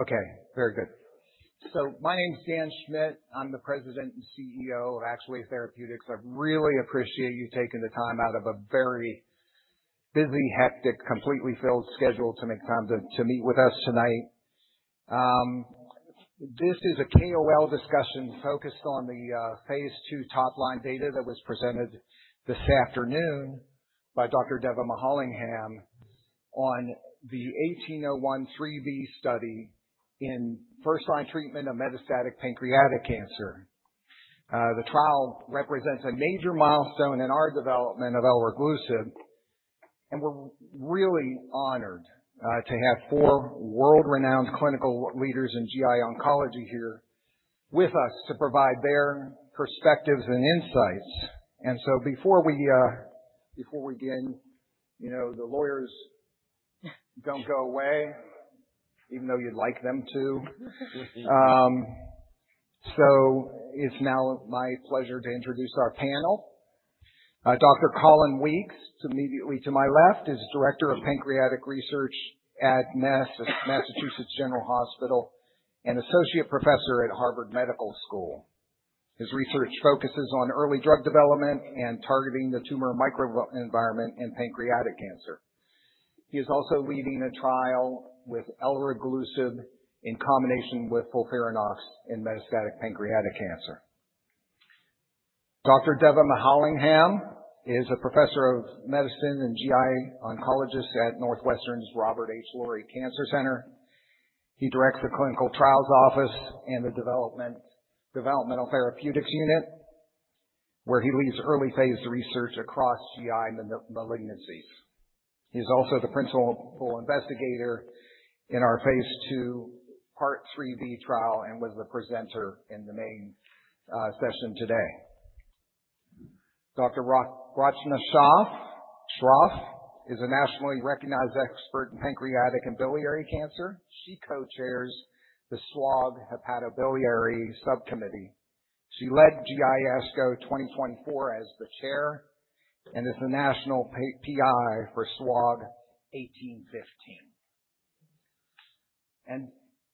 Okay, very good. My name is Dan Schmitt. I am the President and CEO of Actuate Therapeutics. I really appreciate you taking the time out of a very busy, hectic, completely filled schedule to make time to meet with us tonight. This is a KOL discussion focused on the Phase II top-line data that was presented this afternoon by Dr. Deva Mahalingam on the Actuate-1801 Part 3B study in first-line treatment of metastatic pancreatic cancer. The trial represents a major milestone in our development of elraglusib, we are really honored to have four world-renowned clinical leaders in GI oncology here with us to provide their perspectives and insights. Before we begin, the lawyers, don't go away, even though you'd like them to. It is now my pleasure to introduce our panel. Dr. Colin Weekes, immediately to my left, is Director of Pancreatic Research at Massachusetts General Hospital and Associate Professor at Harvard Medical School. His research focuses on early drug development and targeting the tumor microenvironment in pancreatic cancer. He is also leading a trial with elraglusib in combination with FOLFIRINOX in metastatic pancreatic cancer. Dr. Devva Mahalingam is a Professor of Medicine and GI Oncologist at Northwestern's Robert H. Lurie Cancer Center. He directs the Clinical Trials Office and the Developmental Therapeutics Unit, where he leads early-phase research across GI malignancies. He is also the principal investigator in our Phase II Part 3B trial and was the presenter in the main session today. Dr. Rachna Shroff is a nationally recognized expert in pancreatic and biliary cancer. She co-chairs the SWOG Hepatobiliary Subcommittee. She led ASCO GI 2024 as the chair and is the national PI for SWOG 1815.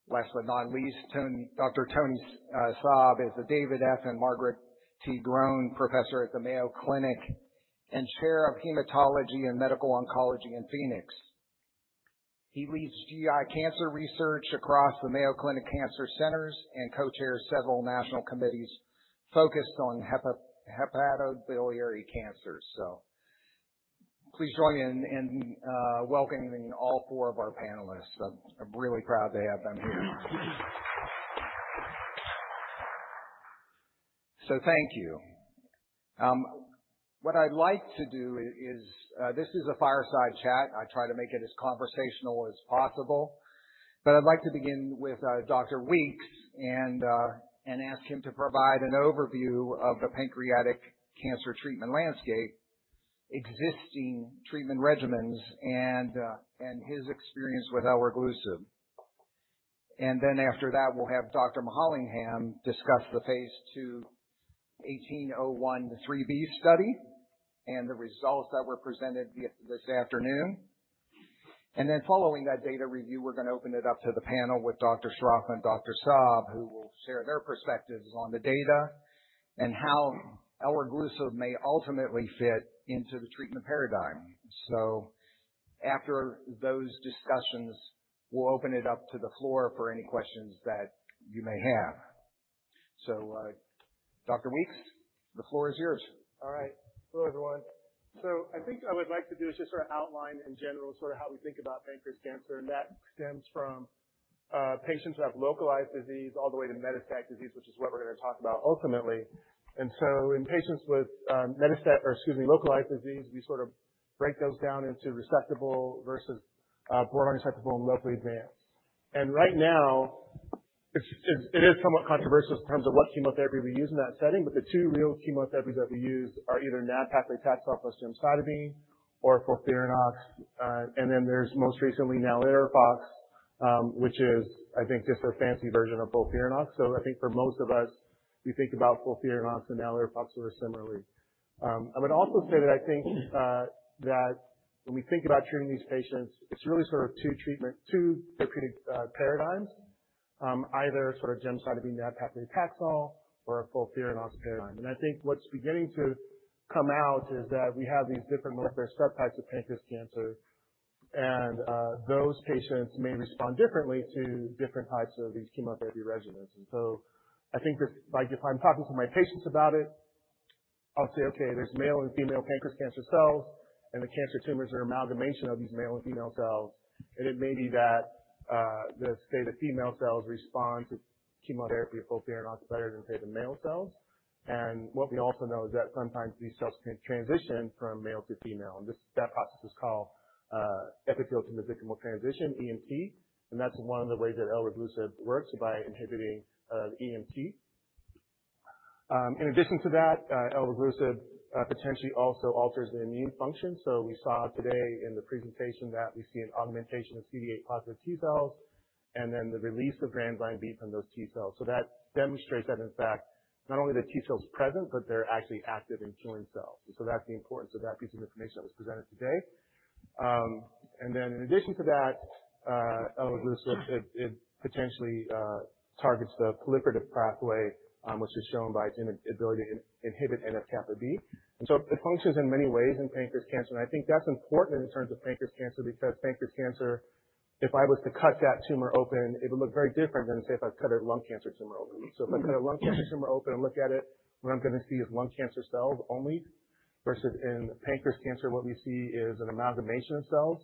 Last but not least, Dr. Tony Saab is the David F. and Margaret T. Grohne Professor at the Mayo Clinic and Chair of Hematology and Medical Oncology in Phoenix. He leads GI cancer research across the Mayo Clinic Cancer Centers and co-chairs several national committees focused on hepatobiliary cancers. Please join in in welcoming all four of our panelists. I am really proud to have them here. Thank you. What I would like to do is, this is a fireside chat. I try to make it as conversational as possible, but I would like to begin with Dr. Weekes and ask him to provide an overview of the pancreatic cancer treatment landscape, existing treatment regimens, and his experience with elraglusib. After that, we will have Dr. Mahalingam discuss the Phase II Actuate-1801 Part 3B study and the results that were presented this afternoon. Following that data review, we are going to open it up to the panel with Dr. Shroff and Dr. Saab, who will share their perspectives on the data and how elraglusib may ultimately fit into the treatment paradigm. After those discussions, we will open it up to the floor for any questions that you may have. Dr. Weekes, the floor is yours. All right. Hello, everyone. I think what I would like to do is just sort of outline in general sort of how we think about pancreatic cancer, and that stems from patients who have localized disease all the way to metastatic disease, which is what we're going to talk about ultimately. In patients with localized disease, we sort of break those down into resectable versus borderline resectable and locally advanced. Right now, it is somewhat controversial in terms of what chemotherapy we use in that setting. The two real chemotherapies that we use are either nab-paclitaxel plus gemcitabine or FOLFIRINOX. There's most recently NALIRIFOX, which is, I think, just a fancy version of FOLFIRINOX. I think for most of us, we think about FOLFIRINOX and NALIRIFOX sort of similarly. I would also say that I think that when we think about treating these patients, it's really sort of two therapeutic paradigms, either sort of gemcitabine nab-paclitaxel or a FOLFIRINOX paradigm. I think what's beginning to come out is that we have these different molecular subtypes of pancreatic cancer, and those patients may respond differently to different types of these chemotherapy regimens. I think if I'm talking to my patients about it, I'll say, okay, there's male and female pancreatic cancer cells, and the cancer tumors are an amalgamation of these male and female cells. It may be that, say, the female cells respond to chemotherapy or FOLFIRINOX better than, say, the male cells. What we also know is that sometimes these cells can transition from male to female, and that process is called epithelial-mesenchymal transition, EMT. That's one of the ways that elraglusib works, by inhibiting EMT. In addition to that, elraglusib potentially also alters the immune function. We saw today in the presentation that we see an augmentation of CD8 positive T-cells and then the release of granzyme B from those T-cells. That demonstrates that, in fact, not only are the T-cells present, but they're actually active in killing cells. That's the importance of that piece of information that was presented today. Then in addition to that, elraglusib, it potentially targets the proliferative pathway, which is shown by its ability to inhibit NF-κB. It functions in many ways in pancreatic cancer. I think that's important in terms of pancreatic cancer because pancreatic cancer, if I was to cut that tumor open, it would look very different than, say, if I cut a lung cancer tumor open. If I cut a lung cancer tumor open and look at it, what I'm going to see is lung cancer cells only versus in pancreatic cancer, what we see is an amalgamation of cells.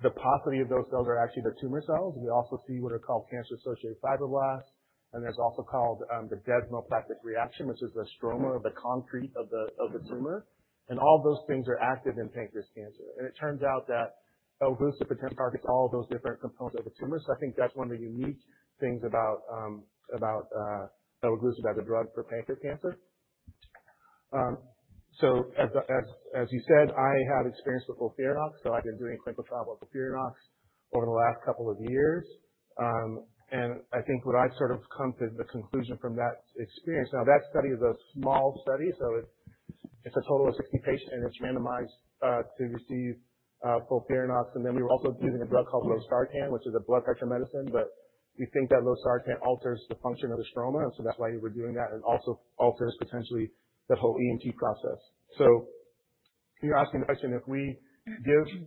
The paucity of those cells are actually the tumor cells. We also see what are called cancer-associated fibroblasts, and there's also called the desmoplastic reaction, which is the stroma or the concrete of the tumor. All those things are active in pancreatic cancer. It turns out that elraglusib potentially targets all of those different components of the tumor. I think that's one of the unique things about elraglusib as a drug for pancreatic cancer. As you said, I have experience with FOLFIRINOX. I've been doing clinical trial FOLFIRINOX over the last couple of years. I think what I've sort of come to the conclusion from that experience. Now that study is a small study, so it's a total of 60 patients, and it's randomized to receive FOLFIRINOX. We were also using a drug called losartan, which is a blood pressure medicine. We think that losartan alters the function of the stroma, and so that's why we're doing that. It also alters, potentially, the whole EMT process. You're asking the question, if we give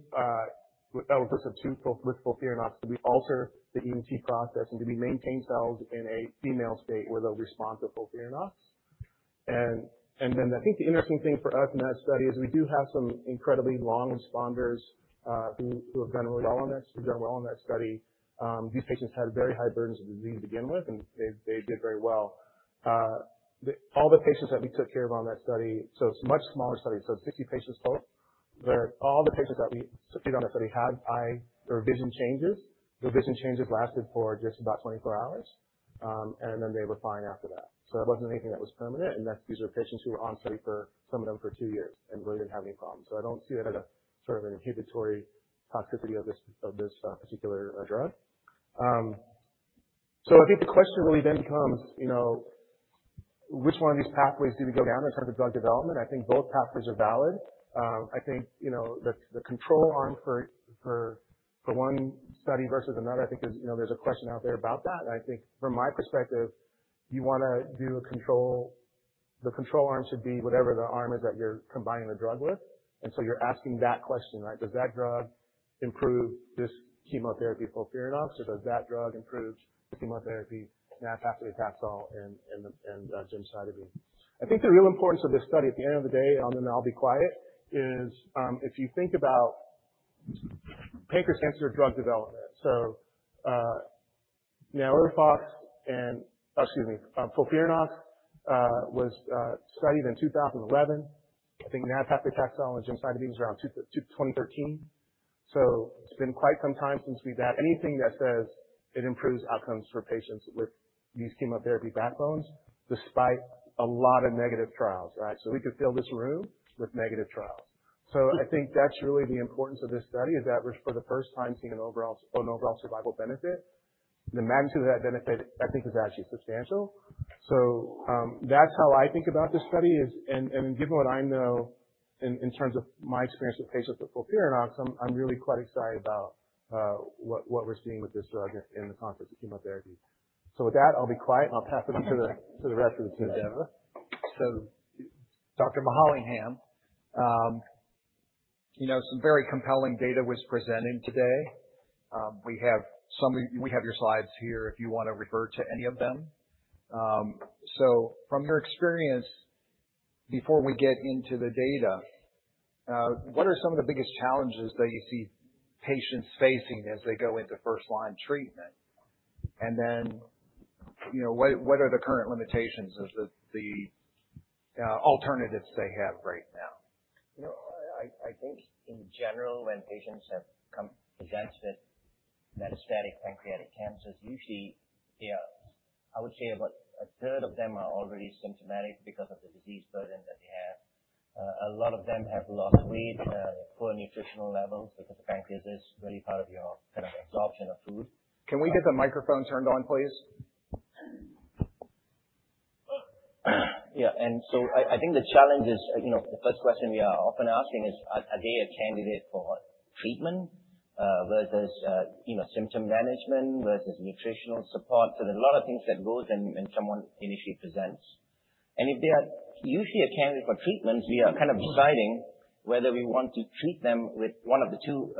elraglusib with FOLFIRINOX, do we alter the EMT process and do we maintain cells in an epithelial state where they'll respond to FOLFIRINOX? I think the interesting thing for us in that study is we do have some incredibly long responders who have done really well on that study. These patients had very high burdens of disease to begin with, and they did very well. All the patients that we took care of on that study. It's a much smaller study, so 50 patients total, where all the patients that we studied on that study had eye or vision changes. Their vision changes lasted for just about 24 hours, and then they were fine after that. That wasn't anything that was permanent. These are patients who were on study for, some of them, for two years and really didn't have any problems. I don't see it as a sort of an inhibitory toxicity of this particular drug. I think the question really then becomes, which one of these pathways do we go down in terms of drug development? I think both pathways are valid. I think the control arm for one study versus another, I think there's a question out there about that. I think from my perspective, you want to do a control. The control arm should be whatever the arm is that you're combining the drug with. You're asking that question, right? Does that drug improve this chemotherapy, FOLFIRINOX? Or does that drug improve the chemotherapy, nab-paclitaxel and gemcitabine? I think the real importance of this study, at the end of the day, and then I'll be quiet, is if you think about pancreatic cancer drug development. Now Excuse me. FOLFIRINOX was studied in 2011. I think nab-paclitaxel and gemcitabine was around 2013. It's been quite some time since we've had anything that says it improves outcomes for patients with these chemotherapy backbones, despite a lot of negative trials, right? We could fill this room with negative trials. I think that's really the importance of this study is that we're, for the first time, seeing an overall survival benefit. The magnitude of that benefit, I think, is actually substantial. That's how I think about this study. Given what I know in terms of my experience with patients with FOLFIRINOX, I'm really quite excited about what we're seeing with this drug in the context of chemotherapy. With that, I'll be quiet and I'll pass it on to the rest of the team. Dr. Mahalingam, some very compelling data was presented today. We have your slides here if you want to refer to any of them. From your experience, before we get into the data, what are some of the biggest challenges that you see patients facing as they go into first-line treatment? What are the current limitations of the alternatives they have right now? I think in general, when patients presented metastatic pancreatic cancers, usually they are, I would say about a third of them are already symptomatic because of the disease burden that they have. A lot of them have lost weight, poor nutritional levels because the pancreas is really part of your kind of absorption of food. Can we get the microphone turned on, please? I think the challenge is, the first question we are often asking is, are they a candidate for treatment versus symptom management versus nutritional support? There's a lot of things that goes in when someone initially presents. If they are usually a candidate for treatment, we are kind of deciding whether we want to treat them with one of the two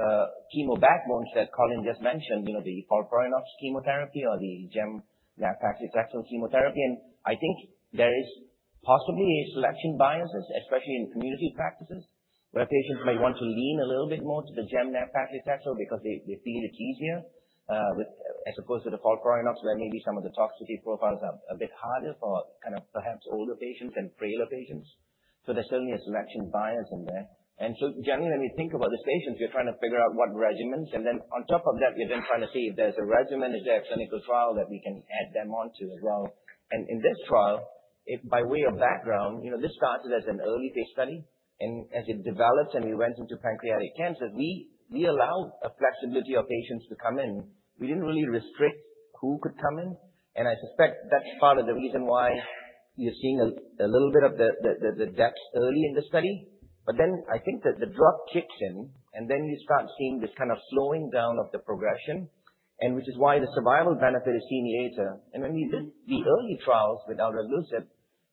chemo backbones that Colin just mentioned, the FOLFIRINOX chemotherapy or the gem-nab-paclitaxel chemotherapy. I think there is possibly a selection bias, especially in community practices, where patients may want to lean a little bit more to the gem-nab-paclitaxel because they feel it's easier as opposed to the FOLFIRINOX, where maybe some of the toxicity profiles are a bit harder for kind of perhaps older patients and frailer patients. There's certainly a selection bias in there. Generally, when we think about the patients, we're trying to figure out what regimens. On top of that, we're then trying to see if there's a regimen, is there a clinical trial that we can add them onto as well. In this trial, by way of background, this started as an early phase study. As it developed and we went into pancreatic cancer, we allowed a flexibility of patients to come in. We didn't really restrict who could come in. I suspect that's part of the reason why. You're seeing a little bit of the depth early in the study, I think that the drop kicks in, then you start seeing this kind of slowing down of the progression, which is why the survival benefit is seen later. When we did the early trials with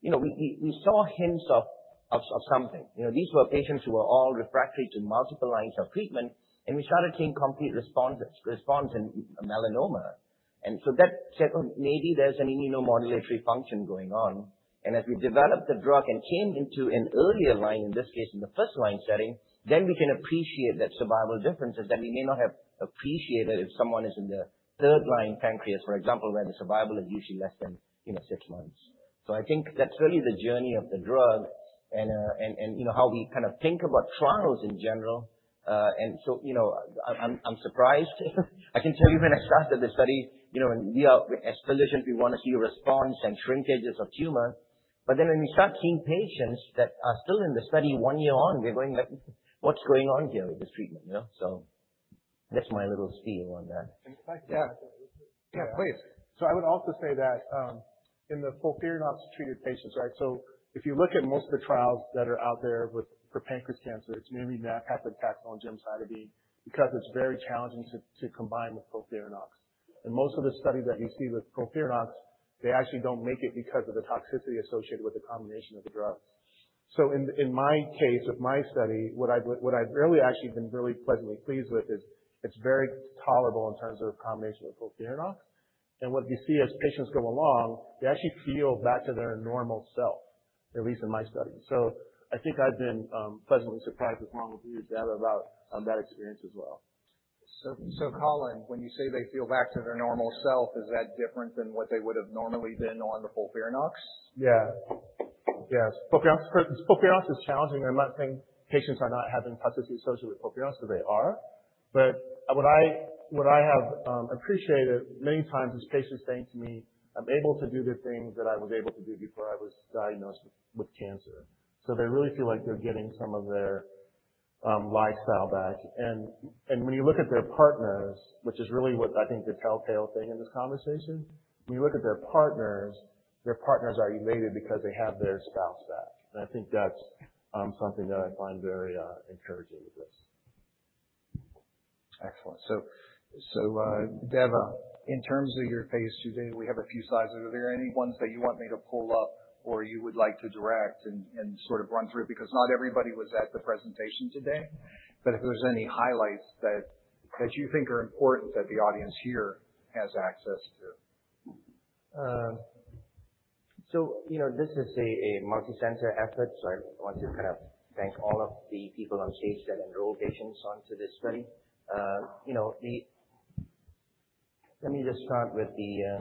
elraglusib, we saw hints of something. These were patients who were all refractory to multiple lines of treatment, we started seeing complete response in melanoma. That said, maybe there's an immunomodulatory function going on. As we developed the drug and came into an earlier line, in this case, in the first-line setting, then we can appreciate that survival differences that we may not have appreciated if someone is in the third-line pancreas, for example, where the survival is usually less than six months. I think that's really the journey of the drug and how we kind of think about trials in general. I'm surprised. I can tell you when I started the study, we as clinicians, we want to see response and shrinkages of tumor. When we start seeing patients that are still in the study one year on, we're going, "What's going on here with this treatment?" That's my little spiel on that. Yeah. Please. I would also say that in the FOLFIRINOX-treated patients, if you look at most of the trials that are out there for pancreas cancer, it's going to be nab-paclitaxel and gemcitabine because it's very challenging to combine with FOLFIRINOX. Most of the studies that we see with FOLFIRINOX, they actually don't make it because of the toxicity associated with the combination of the drugs. In my case, with my study, what I've really actually been really pleasantly pleased with is it's very tolerable in terms of combination with FOLFIRINOX. What we see as patients go along, they actually feel back to their normal self, at least in my study. I think I've been pleasantly surprised, as long as we hear data about that experience as well. Colin, when you say they feel back to their normal self, is that different than what they would have normally been on the FOLFIRINOX? Yeah. FOLFIRINOX is challenging. I'm not saying patients are not having toxicity associated with FOLFIRINOX. They are. What I have appreciated many times is patients saying to me, "I'm able to do the things that I was able to do before I was diagnosed with cancer." They really feel like they're getting some of their lifestyle back. When you look at their partners, which is really what I think the telltale thing in this conversation, when you look at their partners, their partners are elated because they have their spouse back. I think that's something that I find very encouraging with this. Excellent. Devva, in terms of your phase II data, we have a few slides. Are there any ones that you want me to pull up or you would like to direct and sort of run through? Because not everybody was at the presentation today. If there's any highlights that you think are important that the audience here has access to. This is a multi-center effort, so I want to thank all of the people on stage that enrolled patients onto this study. Let me just start with the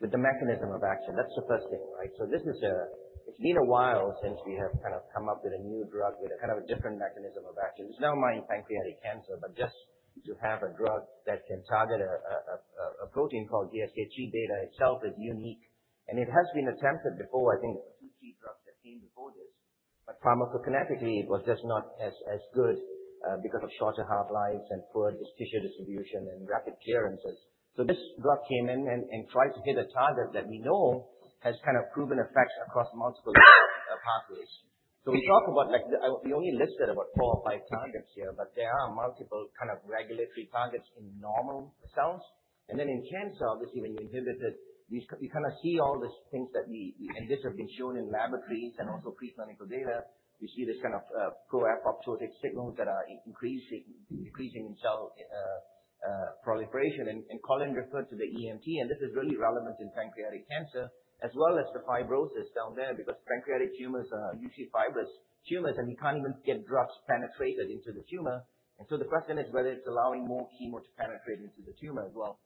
mechanism of action. That's the first thing, right? It's been a while since we have kind of come up with a new drug with a kind of different mechanism of action. It's not only pancreatic cancer, but just to have a drug that can target a protein called GSK-3 beta itself is unique. It has been attempted before, I think there were two key drugs that came before this, but pharmacokinetically, it was just not as good because of shorter half-lives and poor tissue distribution and rapid clearances. This drug came in and tried to hit a target that we know has kind of proven effects across multiple pathways. We only listed about four or five targets here, but there are multiple kind of regulatory targets in normal cells. In cancer, obviously, when you inhibit it, you kind of see all these things that this has been shown in laboratories and also pre-clinical data. We see this kind of pro-apoptotic signals that are increasing cell proliferation. Colin referred to the EMT, and this is really relevant in pancreatic cancer as well as the fibrosis down there because pancreatic tumors are usually fibrous tumors, and we can't even get drugs penetrated into the tumor. The question is whether it's allowing more chemo to penetrate into the tumor as well.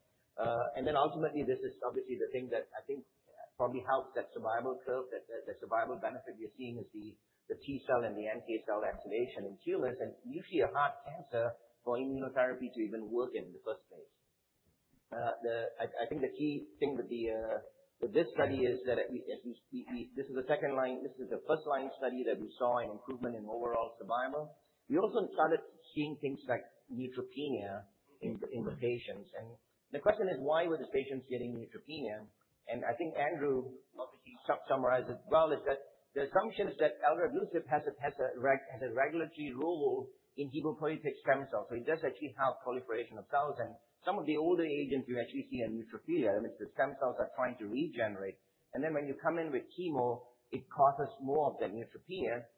Ultimately, this is obviously the thing that I think probably helps that survival curve, that survival benefit we're seeing is the T-cell and the NK cell activation in tumors. Usually a hard cancer for immunotherapy to even work in the first place. I think the key thing with this study is that this is a first-line study that we saw an improvement in overall survival. We also started seeing things like neutropenia in the patients. The question is, why were the patients getting neutropenia? I think Andrew obviously summarized it well, is that the assumption is that elraglusib has a regulatory role in hematopoietic stem cells. It does actually help proliferation of cells. Some of the older agents, you actually see a neutropenia, that means the stem cells are trying to regenerate. When you come in with chemo, it causes more of that neutropenia.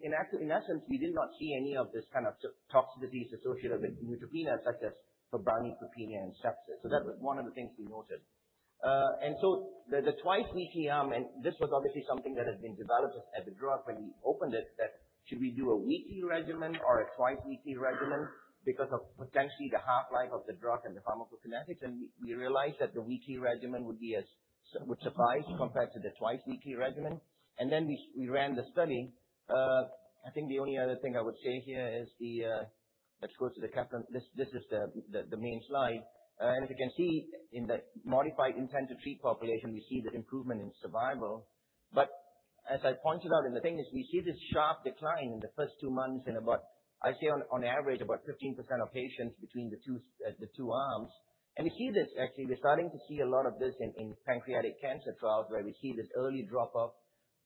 In essence, we did not see any of this kind of toxicity associated with neutropenia, such as febrile neutropenia and sepsis. That was one of the things we noted. The twice-weekly regimen was obviously something that had been developed as a drug when we opened it, that should we do a weekly regimen or a twice-weekly regimen because of potentially the half-life of the drug and the pharmacokinetics. We realized that the weekly regimen would surpass compared to the twice-weekly regimen. We ran the study. I think the only other thing I would say here is, let's go to the Kaplan. This is the main slide. As you can see in the modified intent-to-treat population, we see the improvement in survival but as I pointed out in the thing is we see this sharp decline in the first two months in about, I say on average, about 15% of patients between the two arms. We see this actually, we're starting to see a lot of this in pancreatic cancer trials where we see this early drop-off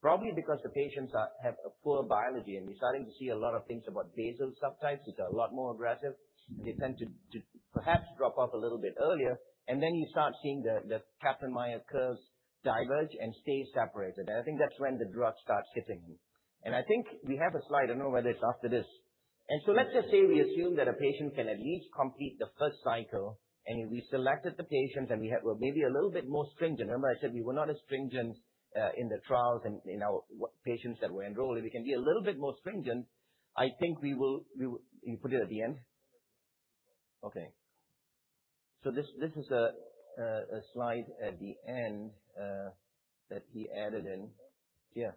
probably because the patients have a poor biology, and we're starting to see a lot of things about basal subtypes which are a lot more aggressive, and they tend to perhaps drop off a little bit earlier. You start seeing the Kaplan-Meier curves diverge and stay separated. I think that's when the drug starts hitting you. I think we have a slide. I don't know whether it's after this. Let's just say we assume that a patient can at least complete the first cycle. We selected the patients. We have maybe a little bit more stringent. Remember I said we were not as stringent in the trials and in our patients that were enrolled. If we can be a little bit more stringent, I think we will. You put it at the end? Okay. This is a slide at the end that he added in. Yeah.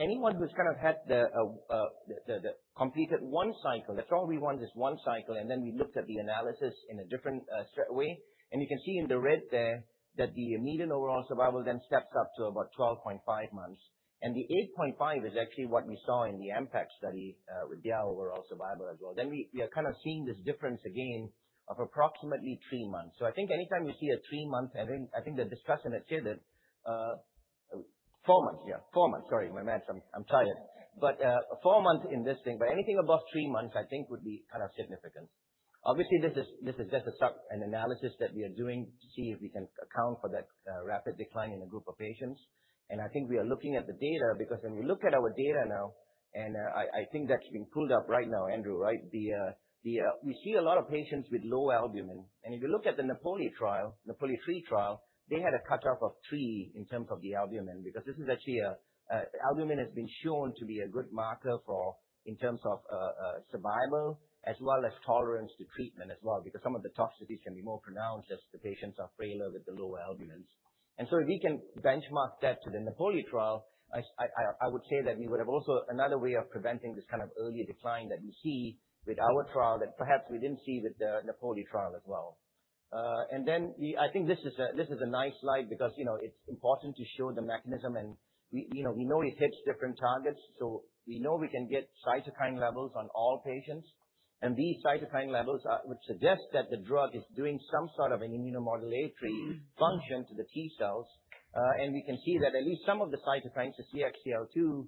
Anyone who's kind of completed one cycle, that's all we want is one cycle. Then we looked at the analysis in a different way. You can see in the red there that the median overall survival then steps up to about 12.5 months. The 8.5 is actually what we saw in the MPACT study with their overall survival as well. We are kind of seeing this difference again of approximately three months. I think anytime we see a three-month, I think the discussion had said that. Four months, yeah. Four months. Sorry, my math, I'm tired. Four months in this thing, but anything above three months I think would be kind of significant. Obviously, this is just an analysis that we are doing to see if we can account for that rapid decline in a group of patients. I think we are looking at the data because when we look at our data now, I think that's being pulled up right now, Andrew, right? We see a lot of patients with low albumin. If you look at the NAPOLI-3 trial, they had a cutoff of three in terms of the albumin because this is actually, albumin has been shown to be a good marker in terms of survival as well as tolerance to treatment as well, because some of the toxicities can be more pronounced as the patients are frailer with the lower albumins. If we can benchmark that to the NAPOLI trial, I would say that we would have also another way of preventing this kind of early decline that we see with our trial that perhaps we didn't see with the NAPOLI trial as well. I think this is a nice slide because it's important to show the mechanism. We know it hits different targets. We know we can get cytokine levels on all patients. These cytokine levels would suggest that the drug is doing some sort of an immunomodulatory function to the T cells. We can see that at least some of the cytokines, the CXCL2,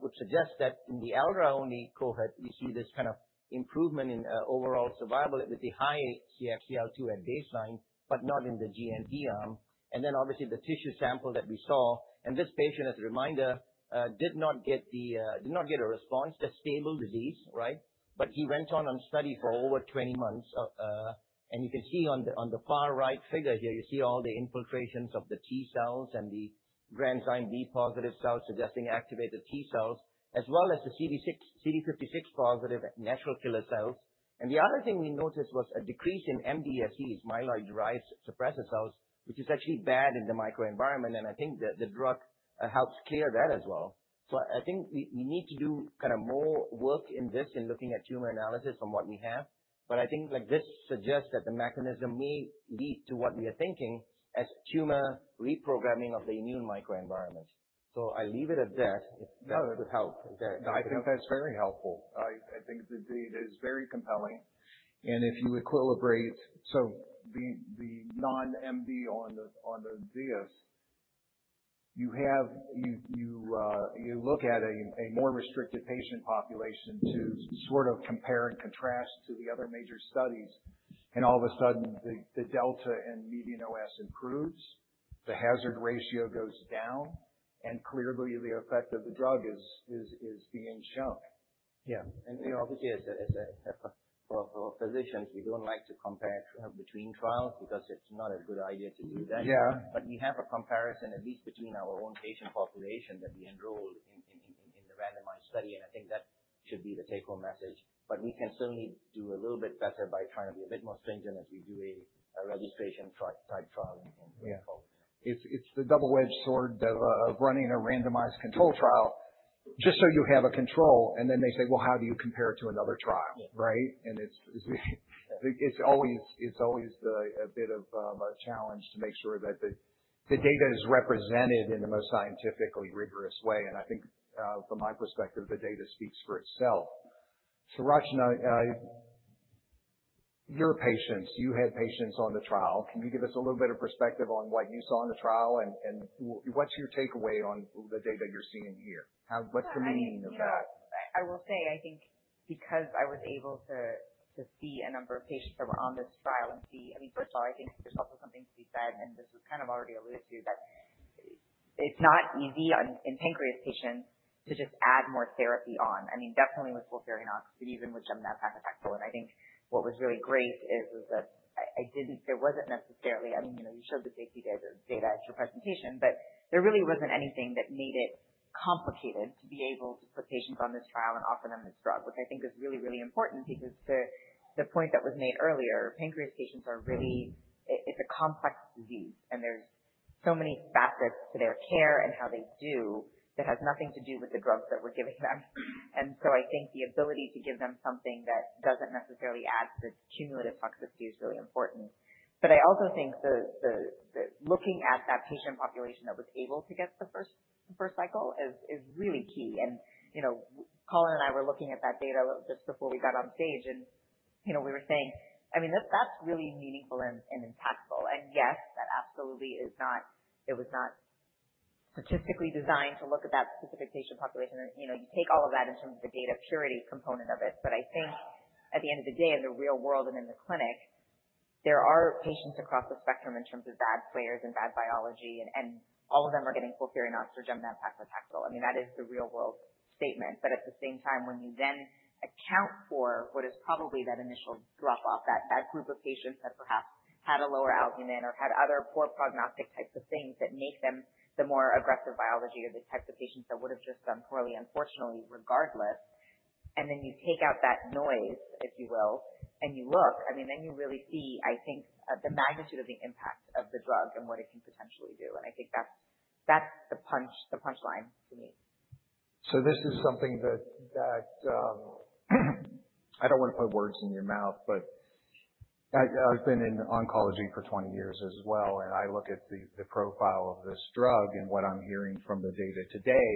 would suggest that in the elraglusib only cohort, we see this kind of improvement in overall survival with the high CXCL2 at baseline, but not in the GnP arm. Obviously the tissue sample that we saw. This patient, as a reminder, did not get a response. That's stable disease, right? He went on on study for over 20 months. You can see on the far right figure here, you see all the infiltrations of the T cells and the granzyme B positive cells suggesting activated T cells, as well as the CD56 positive natural killer cells. The other thing we noticed was a decrease in MDSCs, myeloid-derived suppressor cells, which is actually bad in the microenvironment. I think that the drug helps clear that as well. I think we need to do kind of more work in this in looking at tumor analysis on what we have. I think like this suggests that the mechanism may lead to what we are thinking as tumor reprogramming of the immune microenvironment. I leave it at that. That would help. No, I think that's very helpful. I think the data is very compelling. If you equilibrate, so the non-MD on the ZIAS, you look at a more restricted patient population to sort of compare and contrast to the other major studies. All of a sudden, the delta and median OS improves, the hazard ratio goes down, clearly the effect of the drug is being shown. Yeah. We obviously, as a physicians, we don't like to compare between trials because it's not a good idea to do that. Yeah. We have a comparison, at least between our own patient population that we enrolled in the randomized study, I think that should be the take-home message. We can certainly do a little bit better by trying to be a bit more stringent as we do a registration type trial in the info. It's the double-edged sword of running a randomized control trial just so you have a control, then they say, "Well, how do you compare it to another trial? Yeah. Right? It's always a bit of a challenge to make sure that the data is represented in the most scientifically rigorous way. I think from my perspective, the data speaks for itself. Rachna, your patients, you had patients on the trial. Can you give us a little bit of perspective on what you saw in the trial and what's your takeaway on the data you're seeing here? What's the meaning of that? I will say, I think because I was able to see a number of patients that were on this trial and see, I mean, first of all, I think there's also something to be said, this was kind of already alluded to, that it's not easy in pancreas patients to just add more therapy on. I mean, definitely with FOLFIRINOX, but even with gemcitabine/nab-paclitaxel. I think what was really great is that there wasn't necessarily, I mean you showed the data at your presentation, there really wasn't anything that made it complicated to be able to put patients on this trial and offer them this drug, which I think is really, really important because the point that was made earlier, pancreas patients are really. It's a complex disease and there's so many facets to their care and how they do That has nothing to do with the drug that we're giving them. So I think the ability to give them something that doesn't necessarily add to cumulative toxicity is really important. I also think that looking at that patient population that was able to get the first cycle is really key. Colin and I were looking at that data just before we got on stage, and we were saying, "I mean, that's really meaningful and impactful." Yes, that absolutely was not statistically designed to look at that specific patient population. You take all of that in terms of the data purity component of it. I think at the end of the day, in the real world and in the clinic, there are patients across the spectrum in terms of bad players and bad biology, and all of them are getting FOLFIRINOX or gemcitabine plus Taxol. I mean, that is the real-world statement. At the same time, when you then account for what is probably that initial drop-off, that bad group of patients that perhaps had a lower albumin or had other poor prognostic types of things that make them the more aggressive biology or the type of patients that would've just done poorly, unfortunately, regardless. Then you take out that noise, if you will, and you look, I mean, then you really see, I think, the magnitude of the impact of the drug and what it can potentially do, and I think that's the punchline to me. This is something that, I don't want to put words in your mouth, but I've been in oncology for 20 years as well, and I look at the profile of this drug and what I'm hearing from the data today,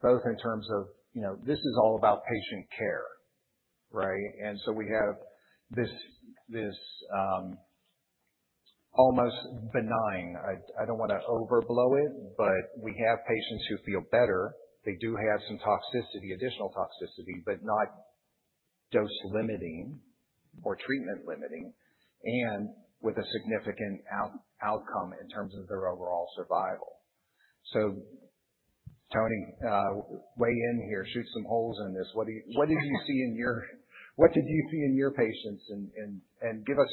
both in terms of, this is all about patient care, right? We have this almost benign, I don't want to overblow it, but we have patients who feel better. They do have some toxicity, additional toxicity, but not dose-limiting or treatment-limiting, and with a significant outcome in terms of their overall survival. Tony, weigh in here, shoot some holes in this. What did you see in your patients? Give us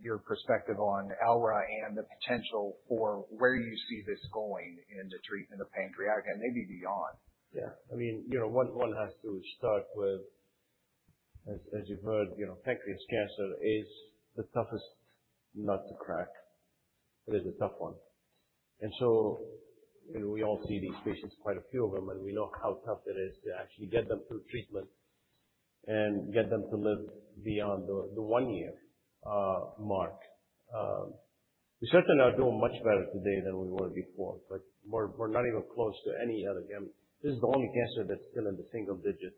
your perspective on elraglusib and the potential for where you see this going in the treatment of pancreatic and maybe beyond. Yeah. One has to start with, as you've heard, pancreas cancer is the toughest nut to crack. It is a tough one. We all see these patients, quite a few of them, and we know how tough it is to actually get them through treatment and get them to live beyond the one-year mark. We certainly are doing much better today than we were before, but we're not even close to any other GI. This is the only cancer that's still in the single digits.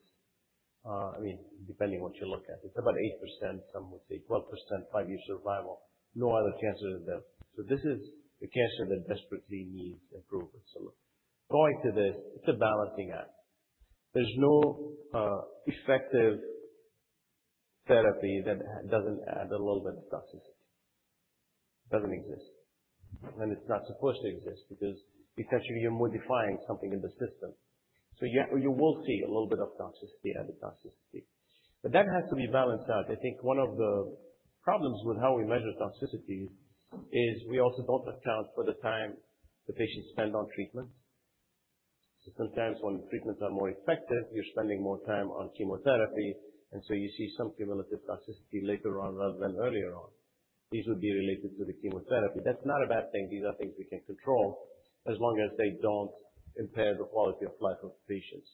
I mean, depending on what you look at. It's about 8%, some would say 12% five-year survival. No other cancer is there. This is the cancer that desperately needs improvement. Going to this, it's a balancing act. There's no effective therapy that doesn't add a little bit of toxicity. It doesn't exist. It's not supposed to exist because essentially you're modifying something in the system. You will see a little bit of toxicity, added toxicity. That has to be balanced out. I think one of the problems with how we measure toxicity is we also don't account for the time the patients spend on treatment. Sometimes when treatments are more effective, you're spending more time on chemotherapy, and so you see some cumulative toxicity later on rather than earlier on. These would be related to the chemotherapy. That's not a bad thing. These are things we can control as long as they don't impair the quality of life of patients.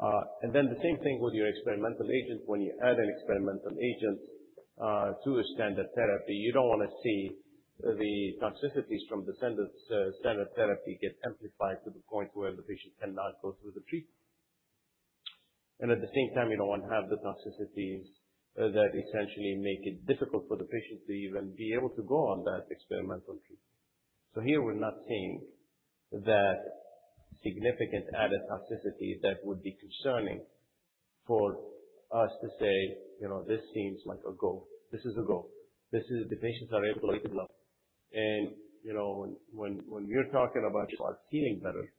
The same thing with your experimental agents. When you add an experimental agent to a standard therapy, you don't want to see the toxicities from the standard therapy get amplified to the point where the patient cannot go through the treatment. At the same time, you don't want to have the toxicities that essentially make it difficult for the patient to even be able to go on that experimental treatment. Here we're not seeing that significant added toxicity that would be concerning for us to say, "This seems like a go." This is a go. The patients are able to. When we're talking about feeling better,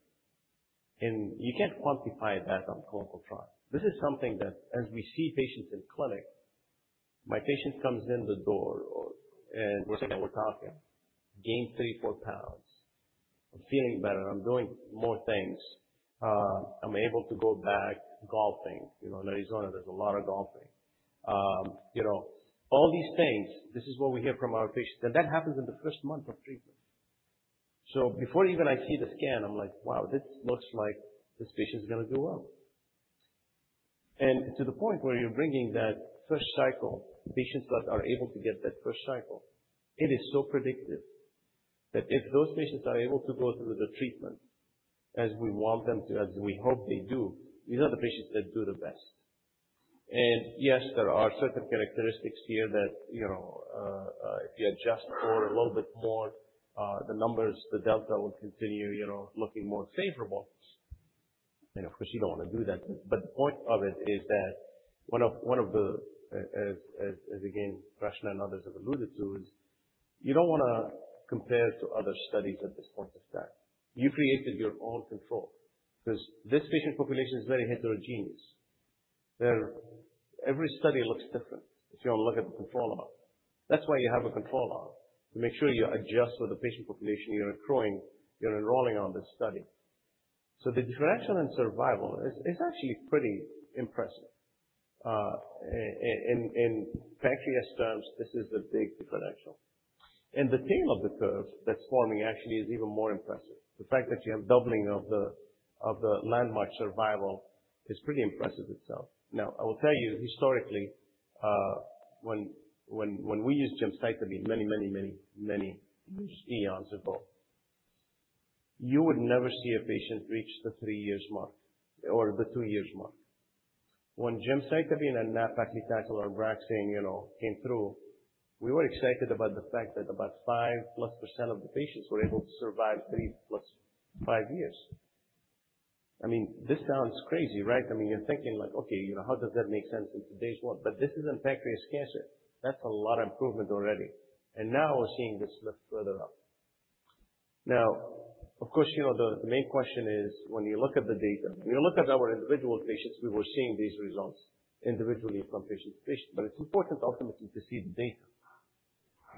and you can't quantify that on a clinical trial. This is something that, as we see patients in clinic, my patient comes in the door, and we're sitting there talking, "Gained three, four pounds. I'm feeling better. I'm doing more things. I'm able to go back golfing." In Arizona, there's a lot of golfing. All these things, this is what we hear from our patients, and that happens in the first month of treatment. Before even I see the scan, I'm like, "Wow, this looks like this patient's going to do well." To the point where you're bringing that first cycle, patients that are able to get that first cycle, it is so predictive that if those patients are able to go through the treatment as we want them to, as we hope they do, these are the patients that do the best. Yes, there are certain characteristics here that, if you adjust for a little bit more, the numbers, the delta will continue looking more favorable. Of course, you don't want to do that. The point of it is that one of the, as again, Rachna and others have alluded to, is you don't want to compare to other studies at this point in time. You created your own control. This patient population is very heterogeneous. Every study looks different if you look at the control arm. That's why you have a control arm, to make sure you adjust for the patient population you're enrolling on this study. The direction in survival is actually pretty impressive. In pancreas terms, this is a big differential. The tail of the curve that's forming actually is even more impressive. The fact that you have doubling of the landmark survival is pretty impressive itself. Now, I will tell you historically, when we used gemcitabine many, many eons ago, you would never see a patient reach the three years mark or the two years mark. When gemcitabine and nab-paclitaxel or ABRAXANE came through, we were excited about the fact that about 5 plus % of the patients were able to survive 3 plus 5 years. This sounds crazy, right? You're thinking, okay, how does that make sense in today's world? This is in pancreas cancer. That's a lot of improvement already. Now we're seeing this lift further up. Of course, the main question is, when you look at the data, when you look at our individual patients, we were seeing these results individually from patient to patient. It's important ultimately to see the data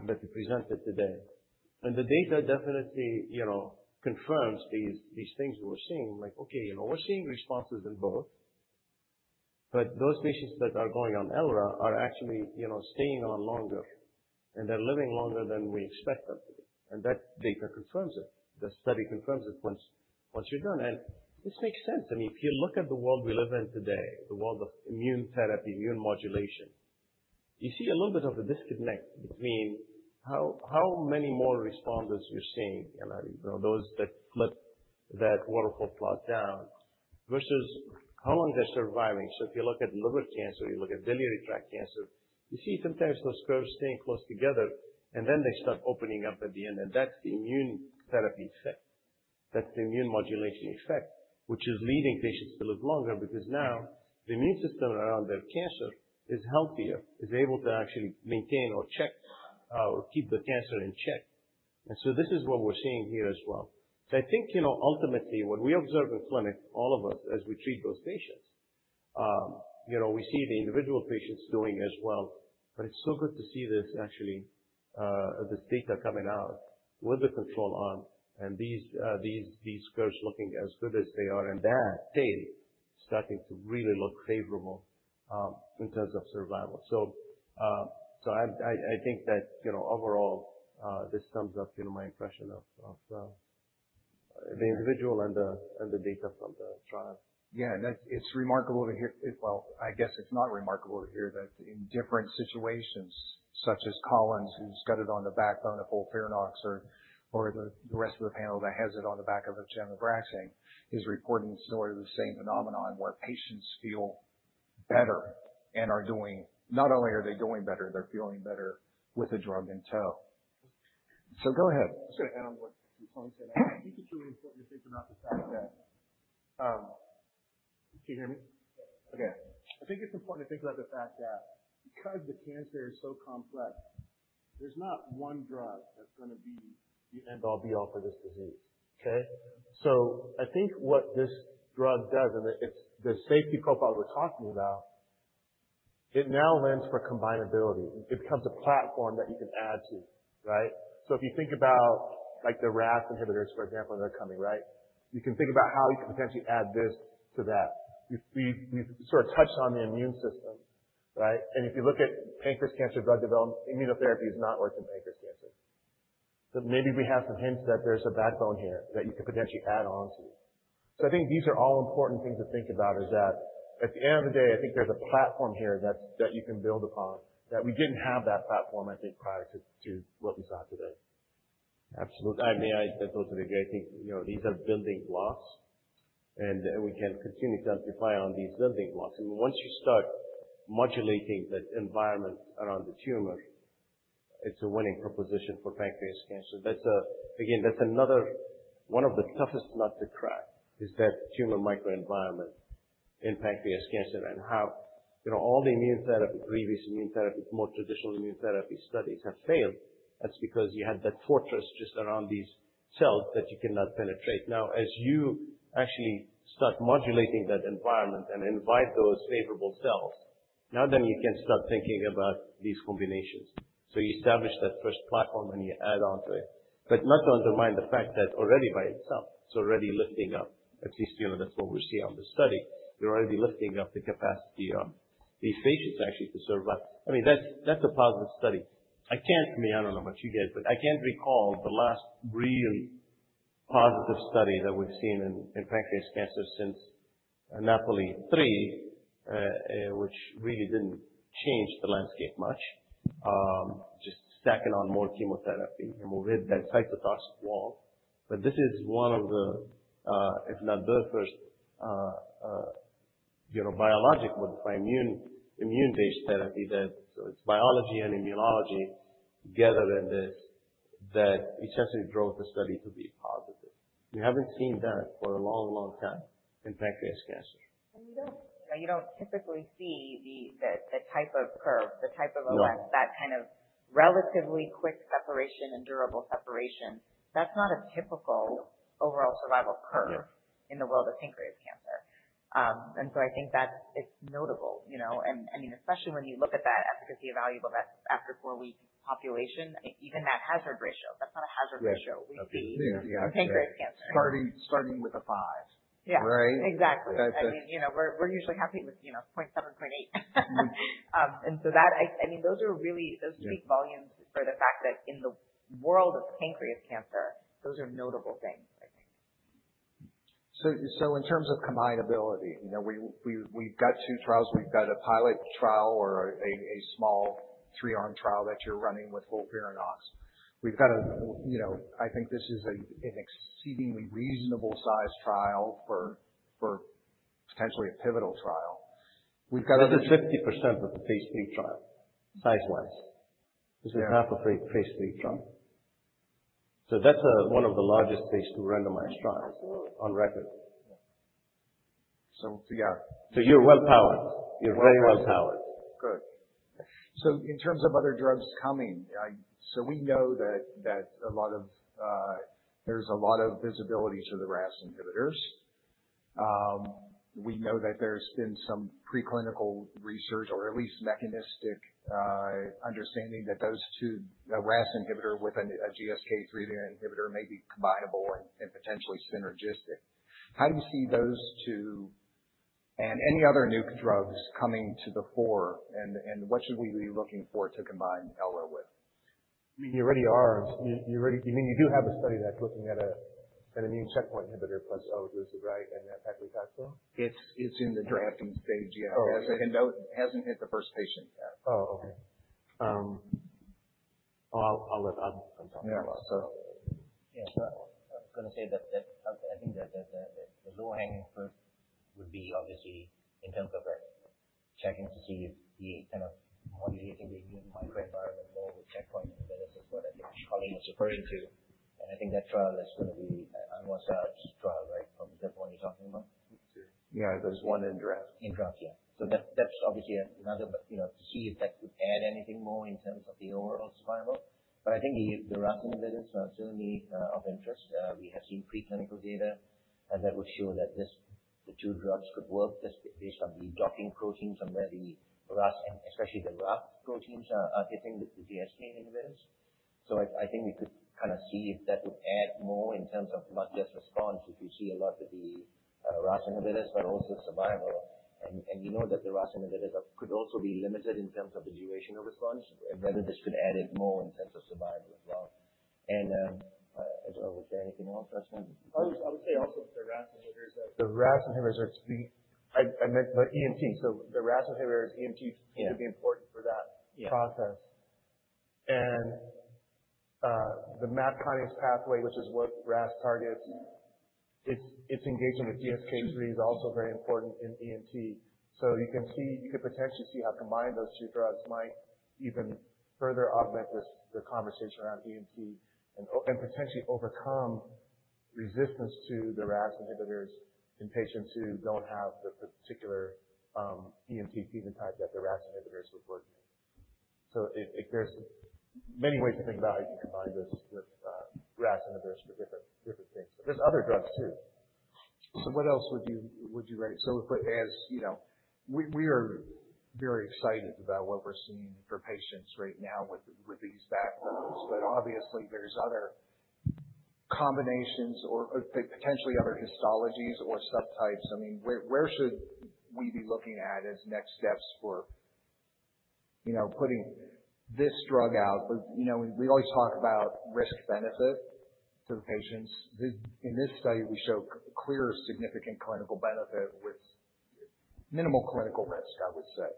that is presented today. The data definitely confirms these things we're seeing, like, okay, we're seeing responses in both, but those patients that are going on elra are actually staying on longer, and they're living longer than we expect them to. That data confirms it. The study confirms it once you're done. This makes sense. If you look at the world we live in today, the world of immune therapy, immune modulation, you see a little bit of a disconnect between how many more responders you're seeing, those that flip that waterfall plot down, versus how long they're surviving. If you look at liver cancer, you look at biliary tract cancer, you see sometimes those curves staying close together, and then they start opening up at the end, and that's the immune therapy effect. That's the immune modulation effect, which is leading patients to live longer because now the immune system around their cancer is healthier, is able to actually maintain or check or keep the cancer in check. This is what we're seeing here as well. I think, ultimately, when we observe in clinic, all of us, as we treat those patients, we see the individual patients doing as well, it's so good to see this actually, this data coming out with the control arm and these curves looking as good as they are, and that stay starting to really look favorable in terms of survival. I think that overall, this sums up my impression of the individual and the data from the trial. Yeah. It's remarkable to hear. Well, I guess it's not remarkable to hear that in different situations, such as Colin's, who's got it on the backbone of FOLFIRINOX, or the rest of the panel that has it on the back of gem ABRAXANE, is reporting sort of the same phenomenon, where patients feel better. Not only are they doing better, they're feeling better with the drug in tow. Go ahead. I'm just going to add on what Tony Saab said. I think it's really important to think about the fact that Can you hear me? Yes. Okay. I think it's important to think about the fact that because the cancer is so complex, there's not one drug that's going to be the end-all be-all for this disease, okay? I think what this drug does, and the safety profile we're talking about, it now lends for combinability. It becomes a platform that you can add to, right? If you think about the RAS inhibitors, for example, that are coming, right? You can think about how you can potentially add this to that. We've sort of touched on the immune system, right? If you look at pancreas cancer drug development, immunotherapy has not worked in pancreas cancer. Maybe we have some hints that there's a backbone here that you could potentially add on to. I think these are all important things to think about is that at the end of the day, I think there's a platform here that you can build upon that we didn't have that platform, I think, prior to what we saw today. Absolutely. May I add to that? I think these are building blocks, we can continue to amplify on these building blocks. Once you start modulating the environment around the tumor, it's a winning proposition for pancreas cancer. Again, that's another one of the toughest nut to crack is that tumor microenvironment in pancreas cancer and how all the immune therapy, previous immune therapy, more traditional immune therapy studies have failed. That's because you had that fortress just around these cells that you cannot penetrate. Now, as you actually start modulating that environment and invite those favorable cells, now then you can start thinking about these combinations. You establish that first platform, you add onto it, but not to undermine the fact that already by itself, it's already lifting up, at least that's what we see on the study. We're already lifting up the capacity of these patients actually to survive. That's a positive study. For me, I don't know about you guys, but I can't recall the last really positive study that we've seen in pancreas cancer since NAPOLI-3, which really didn't change the landscape much, just stacking on more chemotherapy and we'll hit that cytotoxic wall. This is one of the, if not the first, biologic modified immune-based therapy that biology and immunology together in this, that essentially drove the study to be positive. We haven't seen that for a long, long time in pancreas cancer. You don't typically see the type of curve, the type of event No. That kind of relatively quick separation and durable separation. That's not a typical overall survival curve Yeah. In the world of pancreas cancer. I think that it's notable. Especially when you look at that efficacy evaluable after four weeks population, even that hazard ratio, that's not a hazard ratio we see Yeah. In pancreas cancer. Starting with a five. Yeah. Right? Exactly. We're usually happy with 0.7, 0.8. Those speak volumes for the fact that in the world of pancreas cancer, those are notable things, I think. In terms of combinability, we've got two trials. We've got a pilot trial or a small three-arm trial that you're running with FOLFIRINOX. I think this is an exceedingly reasonable size trial for potentially a pivotal trial. This is 50% of the phase III trial, size-wise. Yeah. This is half a phase III trial. That's one of the largest phase II randomized trials. Absolutely. On record. Yeah. You're well powered. You're very well powered. Good. In terms of other drugs coming, we know that there's a lot of visibility to the RAS inhibitors. We know that there's been some preclinical research or at least mechanistic understanding that those two, the RAS inhibitor with a GSK3 inhibitor may be combinable and potentially synergistic. How do you see those two and any other new drugs coming to the fore, and what should we be looking for to combine LRO with? You mean you do have a study that's looking at an immune checkpoint inhibitor plus elraglusib, right, and that paclitaxel? It's in the drafting stage, yeah. Oh, okay. It hasn't hit the first patient yet. Oh, okay. I'll let him talk about it. Yeah. I was going to say that I think that the low-hanging fruit would be obviously in terms of checking to see if the kind of modulating the immune microenvironment there with checkpoint inhibitors is what I think Colin was referring to. I think that trial is going to be an ongoing trial, right, Colin, is that the one you're talking about? Yeah, there's one in draft. In draft, yeah. That's obviously another, to see if that would add anything more in terms of the overall survival. I think the RAS inhibitors are certainly of interest. We have seen preclinical data that would show that the two drugs could work just based on the docking proteins and where the RAS, especially the RAF proteins are hitting the GSK inhibitors. I think we could kind of see if that would add more in terms of not just response, if we see a lot with the RAS inhibitors, but also survival. We know that the RAS inhibitors could also be limited in terms of the duration of response and whether this could add in more in terms of survival as well. As well, was there anything else, Dustin? I would say also with the RAS inhibitors, I meant the EMT, so the RAS inhibitors, EMT could be important for that process. Yeah. The MAP kinase pathway, which is what RAS targets, its engagement with GSK3 is also very important in EMT. You could potentially see how combining those two drugs might even further augment the conversation around EMT and potentially overcome resistance to the RAS inhibitors in patients who don't have the particular EMT phenotype that the RAS inhibitors would work in. There's many ways to think about how you can combine this with RAS inhibitors for different things. There's other drugs, too. What else would you raise? As you know, we are very excited about what we're seeing for patients right now with these backbones. Obviously, there's other combinations or potentially other histologies or subtypes. Where should we be looking at as next steps for putting this drug out? We always talk about risk-benefit to the patients. In this study, we show clear significant clinical benefit with minimal clinical risk, I would say.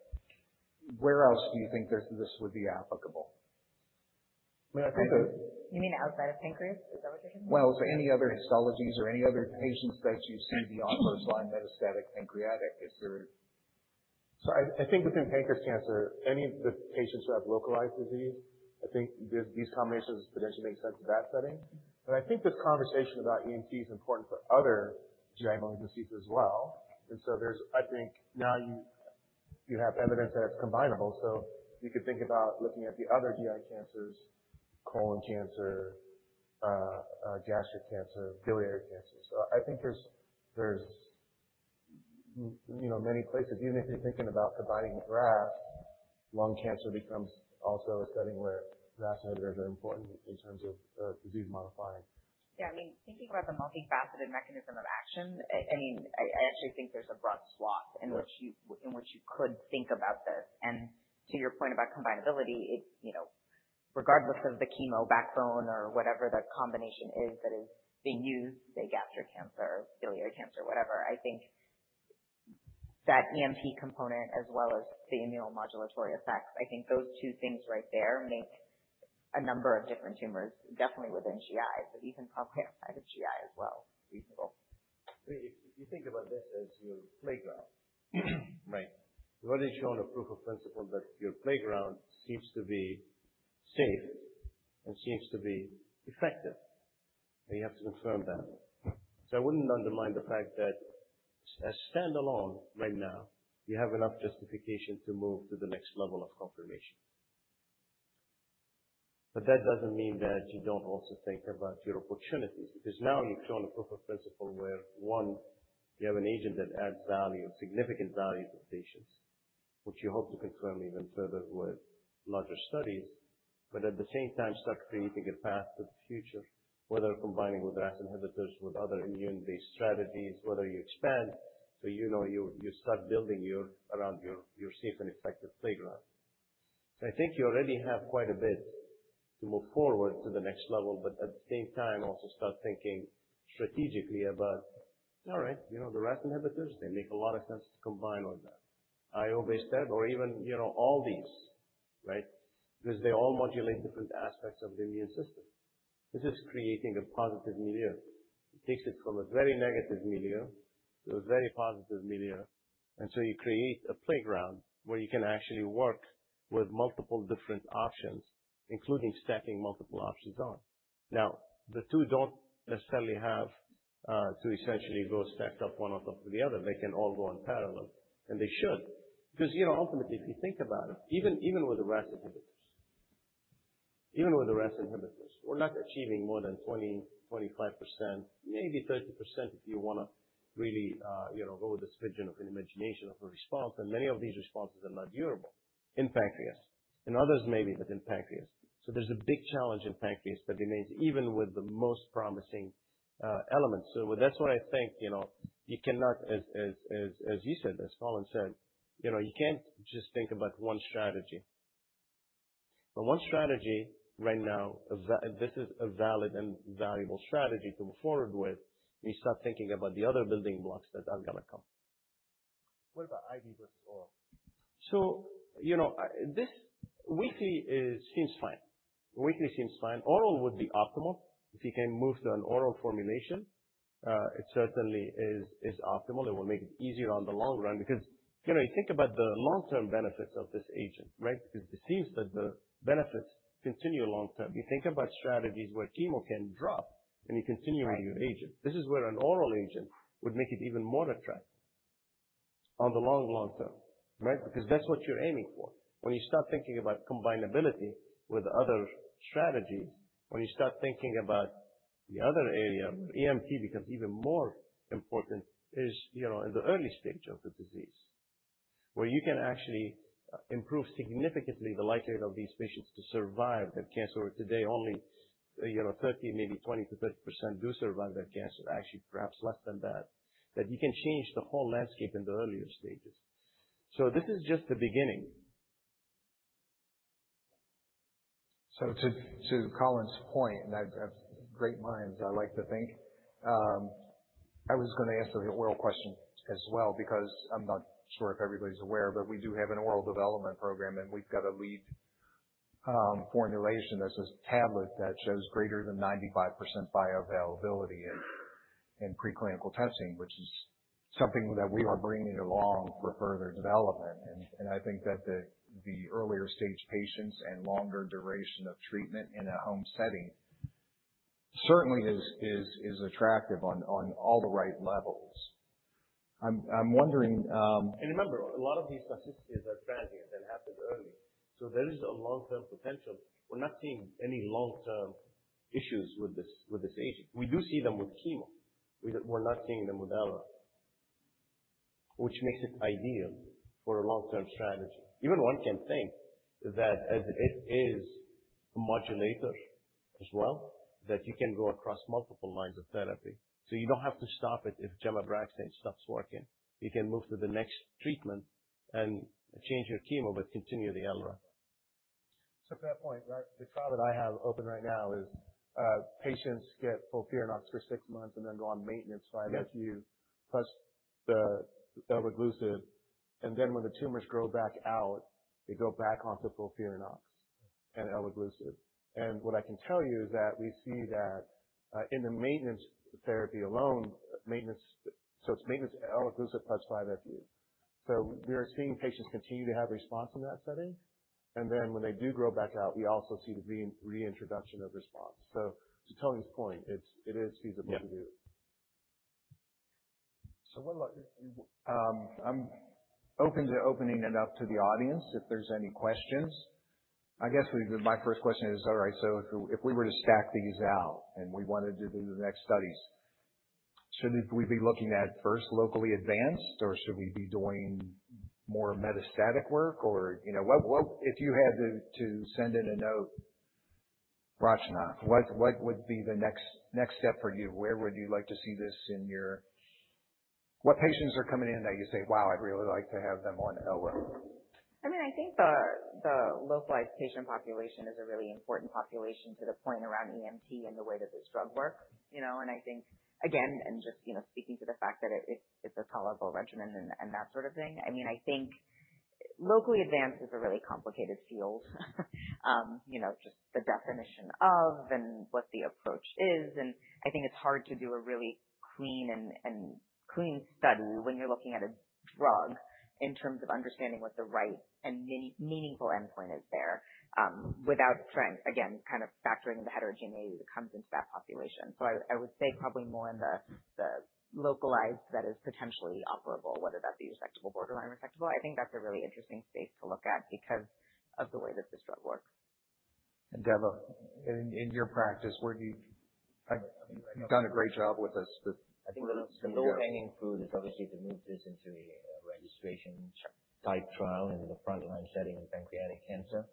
Where else do you think this would be applicable? You mean outside of pancreas? Is that what you're thinking? Any other histologies or any other patients that you see the first line metastatic pancreatic if there I think within pancreas cancer, any of the patients who have localized disease, I think these combinations potentially make sense in that setting. I think this conversation about EMT is important for other GI malignancies as well. I think now you have evidence that it's combinable, you could think about looking at the other GI cancers, colon cancer, gastric cancer, biliary cancer. I think there's many places, even if you're thinking about combining RAS, lung cancer becomes also a setting where RAS inhibitors are important in terms of disease modifying. Yeah. Thinking about the multifaceted mechanism of action, I actually think there's a broad swath. Yeah In which you could think about this. To your point about combinability, regardless of the chemo backbone or whatever the combination is that is being used, say gastric cancer or biliary cancer, whatever, I think that EMT component as well as the immunomodulatory effects, I think those two things right there make a number of different tumors, definitely within GI, but even probably outside of GI as well, reasonable. If you think about this as your playground, right? You've already shown a proof of principle that your playground seems to be safe and seems to be effective, and you have to confirm that. I wouldn't undermine the fact that as standalone right now, you have enough justification to move to the next level of confirmation. That doesn't mean that you don't also think about your opportunities, because now you've shown a proof of principle where one, you have an agent that adds value, significant value to patients, which you hope to confirm even further with larger studies. At the same time, start creating a path to the future, whether combining with RAS inhibitors, with other immune-based strategies, whether you expand so you start building around your safe and effective playground. I think you already have quite a bit to move forward to the next level, but at the same time also start thinking strategically about, all right, the RAS inhibitors, they make a lot of sense to combine all that. IO-based therapy or even all these, right? Because they all modulate different aspects of the immune system. This is creating a positive milieu. It takes it from a very negative milieu to a very positive milieu. You create a playground where you can actually work with multiple different options, including stacking multiple options on. The two don't necessarily have to essentially go stacked up one on top of the other. They can all go in parallel, and they should, because ultimately, if you think about it, even with the RAS inhibitors, we're not achieving more than 20%, 25%, maybe 30% if you want to really go with this vision of an imagination of a response, and many of these responses are not durable in pancreas. In others, maybe, but in pancreas. There's a big challenge in pancreas that remains even with the most promising elements. That's why I think, as you said, as Colin said, you can't just think about one strategy. One strategy right now, this is a valid and valuable strategy to move forward with. You start thinking about the other building blocks that are going to come. What about IV versus oral? Weekly seems fine. Oral would be optimal if you can move to an oral formulation. It certainly is optimal. It will make it easier on the long run because, you think about the long-term benefits of this agent, right? Because it seems that the benefits continue long term. You think about strategies where chemo can drop and you continue with your agent. This is where an oral agent would make it even more attractive on the long, long term, right? Because that's what you're aiming for. When you start thinking about combinability with other strategies, when you start thinking about the other area where EMT becomes even more important is in the early stage of the disease, where you can actually improve significantly the likelihood of these patients to survive their cancer. Today only, 30%, maybe 20%-30% do survive their cancer. Actually, perhaps less than that. You can change the whole landscape in the earlier stages. This is just the beginning. To Colin's point, great minds, I like to think, I was going to ask the oral question as well, because I'm not sure if everybody's aware, but we do have an oral development program, we've got a lead formulation that's this tablet that shows greater than 95% bioavailability in preclinical testing, which is something that we are bringing along for further development. I think that the earlier-stage patients and longer duration of treatment in a home setting certainly is attractive on all the right levels. Remember, a lot of these statistics are transient and happen early. There is a long-term potential. We're not seeing any long-term issues with this agent. We do see them with chemo. We're not seeing them with elro, which makes it ideal for a long-term strategy. Even one can think that as it is a modulator as well, that you can go across multiple lines of therapy. You don't have to stop it if gemcitabine/ABRAXANE stops working. You can move to the next treatment and change your chemo but continue the elro. To that point, right, the trial that I have open right now is patients get FOLFIRINOX for six months then go on maintenance 5-FU plus the elraglusib, then when the tumors grow back out, they go back onto FOLFIRINOX and elraglusib. What I can tell you is that we see that in the maintenance therapy alone, it's maintenance elraglusib plus 5-FU. We are seeing patients continue to have response in that setting. Then when they do grow back out, we also see the reintroduction of response. To Tony's point, it is feasible to do. Yeah. I'm open to opening it up to the audience if there's any questions. I guess my first question is, all right, if we were to stack these out and we wanted to do the next studies, should we be looking at first locally advanced, or should we be doing more metastatic work? If you had to send in a note, Rachna, what would be the next step for you? Where would you like to see this in your What patients are coming in that you say, "Wow, I'd really like to have them on elra? I think the localized patient population is a really important population to the point around EMT and the way that this drug works. I think, again, just speaking to the fact that it's a tolerable regimen and that sort of thing, I think locally advanced is a really complicated field. Just the definition of and what the approach is, I think it's hard to do a really clean study when you're looking at a drug in terms of understanding what the right and meaningful endpoint is there, without trying, again, kind of factoring in the heterogeneity that comes into that population. I would say probably more in the localized that is potentially operable, whether that be resectable, borderline resectable. I think that's a really interesting space to look at because of the way that this drug works. Devva, in your practice, you've done a great job with us. I think the low-hanging fruit is obviously to move this into a registration-type trial in the frontline setting in pancreatic cancer,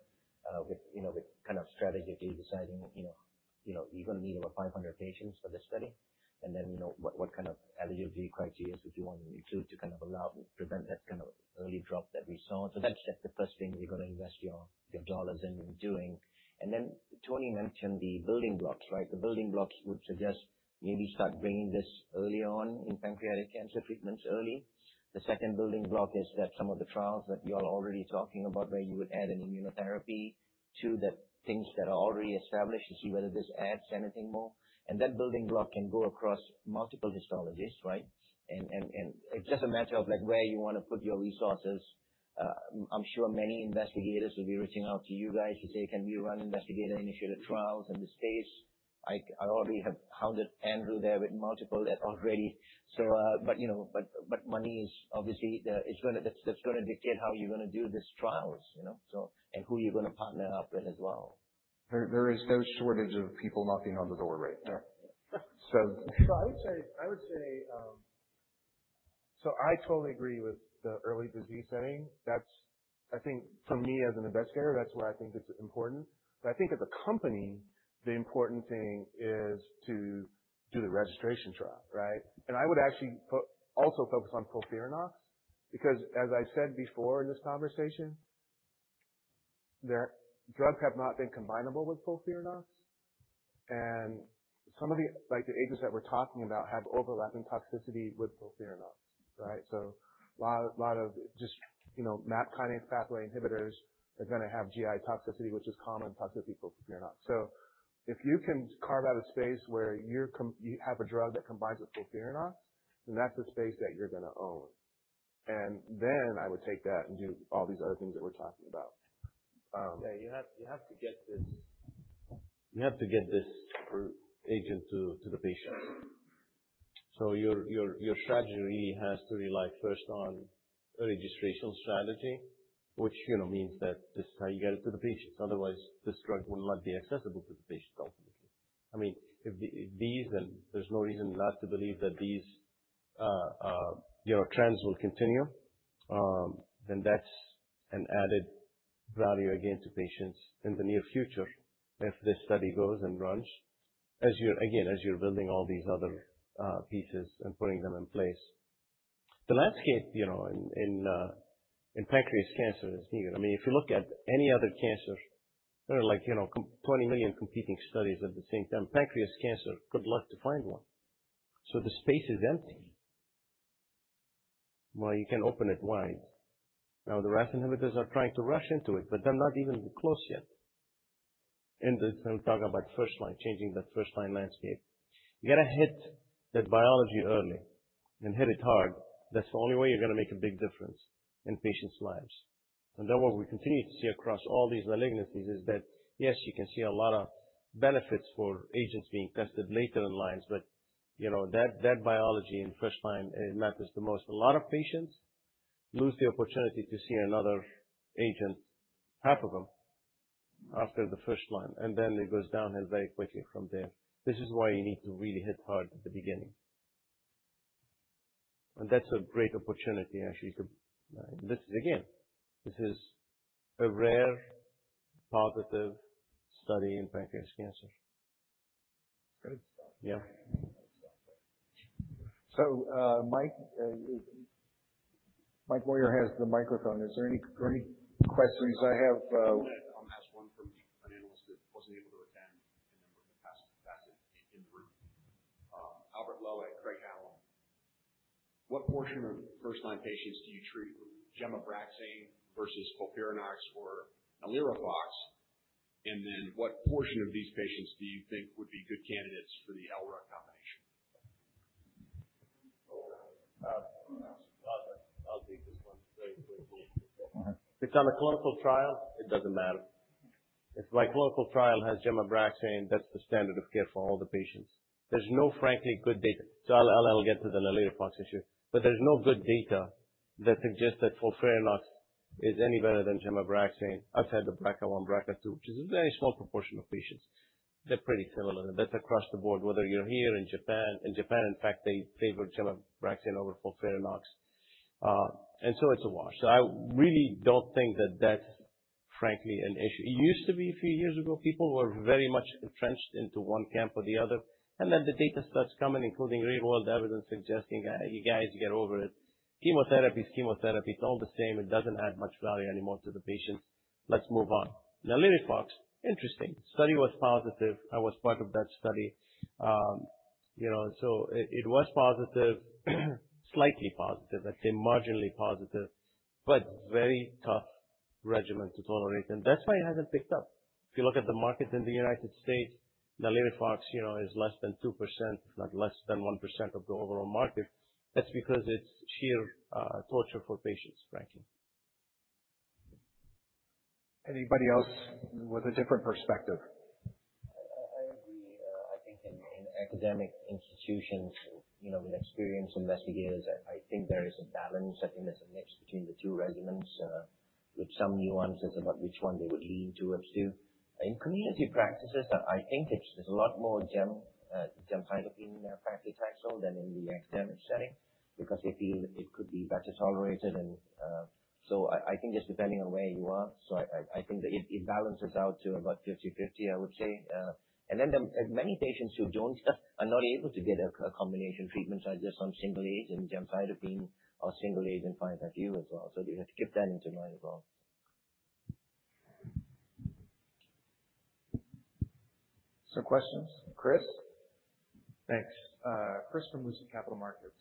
with the kind of strategy of deciding you're going to need over 500 patients for this study. What kind of eligibility criteria would you want to include to allow and prevent that kind of early drop that we saw? That's the first thing you're going to invest your dollars in doing. Tony mentioned the building blocks. The building blocks would suggest maybe start bringing this early on in pancreatic cancer treatments early. The second building block is that some of the trials that you all are already talking about, where you would add an immunotherapy to the things that are already established to see whether this adds anything more. That building block can go across multiple histologies. It's just a matter of where you want to put your resources. I'm sure many investigators will be reaching out to you guys to say, "Can we run investigator-initiated trials in the States?" I already have hounded Andrew there with multiple already. Money, obviously, that's going to dictate how you're going to do these trials, and who you're going to partner up with as well. There is no shortage of people knocking on the door right now. I would say, I totally agree with the early disease setting. That's, I think for me as an investigator, that's where I think it's important. I think as a company, the important thing is to do the registration trial. I would actually also focus on FOLFIRINOX, because as I said before in this conversation, their drugs have not been combinable with FOLFIRINOX. Some of the agents that we're talking about have overlapping toxicity with FOLFIRINOX. A lot of just MAP kinase pathway inhibitors are going to have GI toxicity, which is common toxicity for FOLFIRINOX. If you can carve out a space where you have a drug that combines with FOLFIRINOX, then that's a space that you're going to own. Then I would take that and do all these other things that we're talking about. You have to get this agent to the patient. Your strategy has to rely first on a registrational strategy, which means that this is how you get it to the patients. Otherwise, this drug will not be accessible to the patient, ultimately. If these, there's no reason not to believe that these trends will continue, then that's an added value again to patients in the near future if this study goes and runs, again, as you're building all these other pieces and putting them in place. The landscape in pancreas cancer is needed. If you look at any other cancer, there are 20 million competing studies at the same time. Pancreas cancer, good luck to find one. The space is empty. You can open it wide. The RAF inhibitors are trying to rush into it, but they're not even close yet. They'll talk about first-line, changing that first-line landscape. You got to hit that biology early and hit it hard. That's the only way you're going to make a big difference in patients' lives. That what we continue to see across all these malignancies is that, yes, you can see a lot of benefits for agents being tested later in lines, that biology in first line, it matters the most. A lot of patients lose the opportunity to see another agent, half of them, after the first line, then it goes downhill very quickly from there. This is why you need to really hit hard at the beginning. That's a great opportunity, actually. This is a rare positive study in pancreas cancer. Good. Yeah. Mike Warrior has the microphone. Is there any questions? I'll ask one from an analyst that wasn't able to attend, a member of the past in the group. Albert Lowe at Craig-Hallum. What portion of first-line patients do you treat with gemabraxane versus FOLFIRINOX or NALIRIFOX? What portion of these patients do you think would be good candidates for the elraglusib combination? I'll take this one very quickly. If it's on a clinical trial, it doesn't matter. If my clinical trial has gemabraxane, that's the standard of care for all the patients. There's no frankly good data. I'll get to the NALIRIFOX issue, there's no good data that suggests that FOLFIRINOX is any better than gemabraxane outside the BRCA1, BRCA2, which is a very small proportion of patients. They're pretty similar. That's across the board, whether you're here, in Japan. In Japan, in fact, they favor gemabraxane over FOLFIRINOX. It's a wash. I really don't think that that's frankly an issue. It used to be a few years ago, people were very much entrenched into one camp or the other, the data starts coming, including real-world evidence suggesting, "You guys, get over it. Chemotherapy is chemotherapy. It's all the same. It doesn't add much value anymore to the patients. Let's move on. NALIRIFOX, interesting. Study was positive. I was part of that study. It was positive, slightly positive. I'd say marginally positive, but very tough regimen to tolerate, and that's why it hasn't picked up. If you look at the market in the U.S., NALIRIFOX is less than 2%, if not less than 1% of the overall market. That's because it's sheer torture for patients, frankly. Anybody else with a different perspective? In academic institutions with experienced investigators, I think there is a balance. I think there's a mix between the two regimens, with some nuances about which one they would lean towards to. In community practices, I think there's a lot more gemcitabine nab-paclitaxel than in the academic setting because they feel it could be better tolerated. I think just depending on where you are, it balances out to about 50/50, I would say. Then there are many patients who don't, are not able to get a combination treatment, are just on single agent gemcitabine or single agent FOLFIRINOX as well. You have to keep that into mind as well. Some questions. Chris? Thanks. Chris from Capital Markets.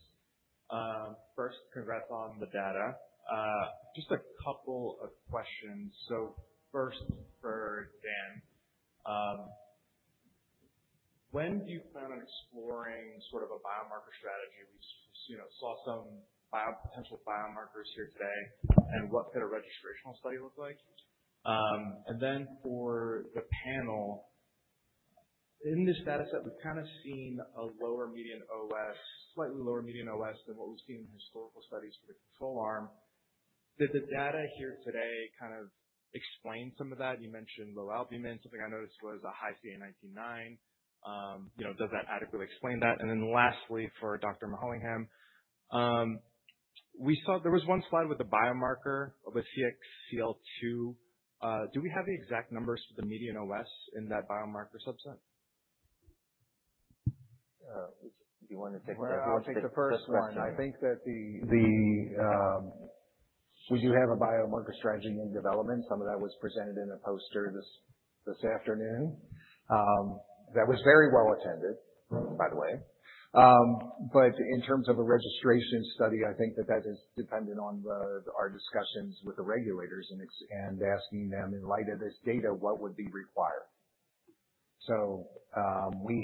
First, congrats on the data. Just a couple of questions. First, for Dan, when do you plan on exploring sort of a biomarker strategy? We saw some potential biomarkers here today, and what could a registrational study look like? For the panel, in this data set, we've kind of seen a lower median OS, slightly lower median OS than what we've seen in historical studies for the control arm. Does the data here today kind of explain some of that? You mentioned low albumin. Something I noticed was a high CA 19-9. Does that adequately explain that? Lastly, for Dr. Mahalingam, we saw there was one slide with a biomarker of a CXCL2. Do we have the exact numbers for the median OS in that biomarker subset? Do you want to take that? I'll take the first one. I think that we do have a biomarker strategy in development. Some of that was presented in a poster this afternoon. That was very well attended, by the way. In terms of a registration study, I think that that is dependent on our discussions with the regulators and asking them, in light of this data, what would be required. We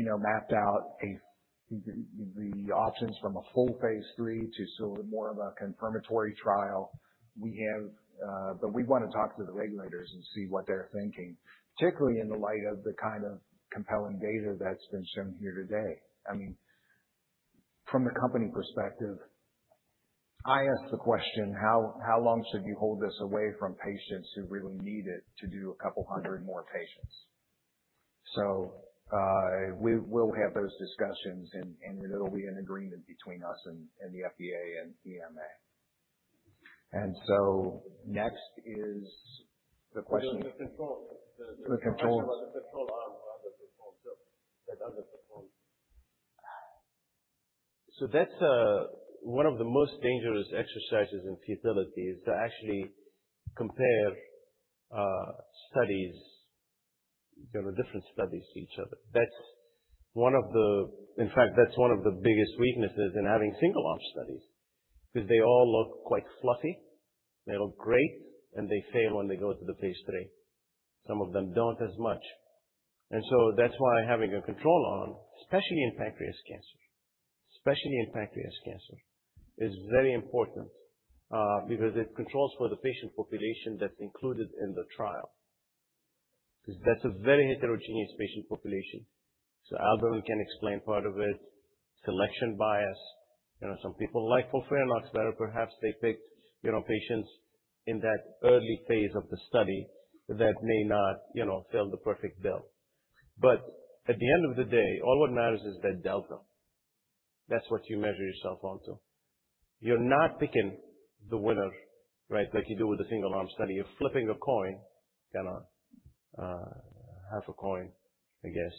have mapped out the options from a full phase III to sort of more of a confirmatory trial. We want to talk to the regulators and see what they're thinking, particularly in the light of the kind of compelling data that's been shown here today. I mean, from the company perspective, I ask the question, how long should you hold this away from patients who really need it to do a 200 more patients? We'll have those discussions, and it'll be an agreement between us and the FDA and EMA. Next is the question- The control. The control. The question about the control arm or the control itself, that other control. That's one of the most dangerous exercises in feasibility, is to actually compare studies, different studies to each other. That's one of the biggest weaknesses in having single arm studies, because they all look quite fluffy. They look great, and they fail when they go to the phase III. Some of them don't as much. That's why having a control arm, especially in pancreatic cancer, is very important, because it controls for the patient population that's included in the trial. Because that's a very heterogeneous patient population. Algorithm can explain part of it, selection bias. Some people like FOLFIRINOX better. Perhaps they picked patients in that early phase of the study that may not fill the perfect bill. At the end of the day, all what matters is that delta. That's what you measure yourself onto. You're not picking the winner, right? Like you do with a single arm study. You're flipping a coin, kind of, half a coin, I guess.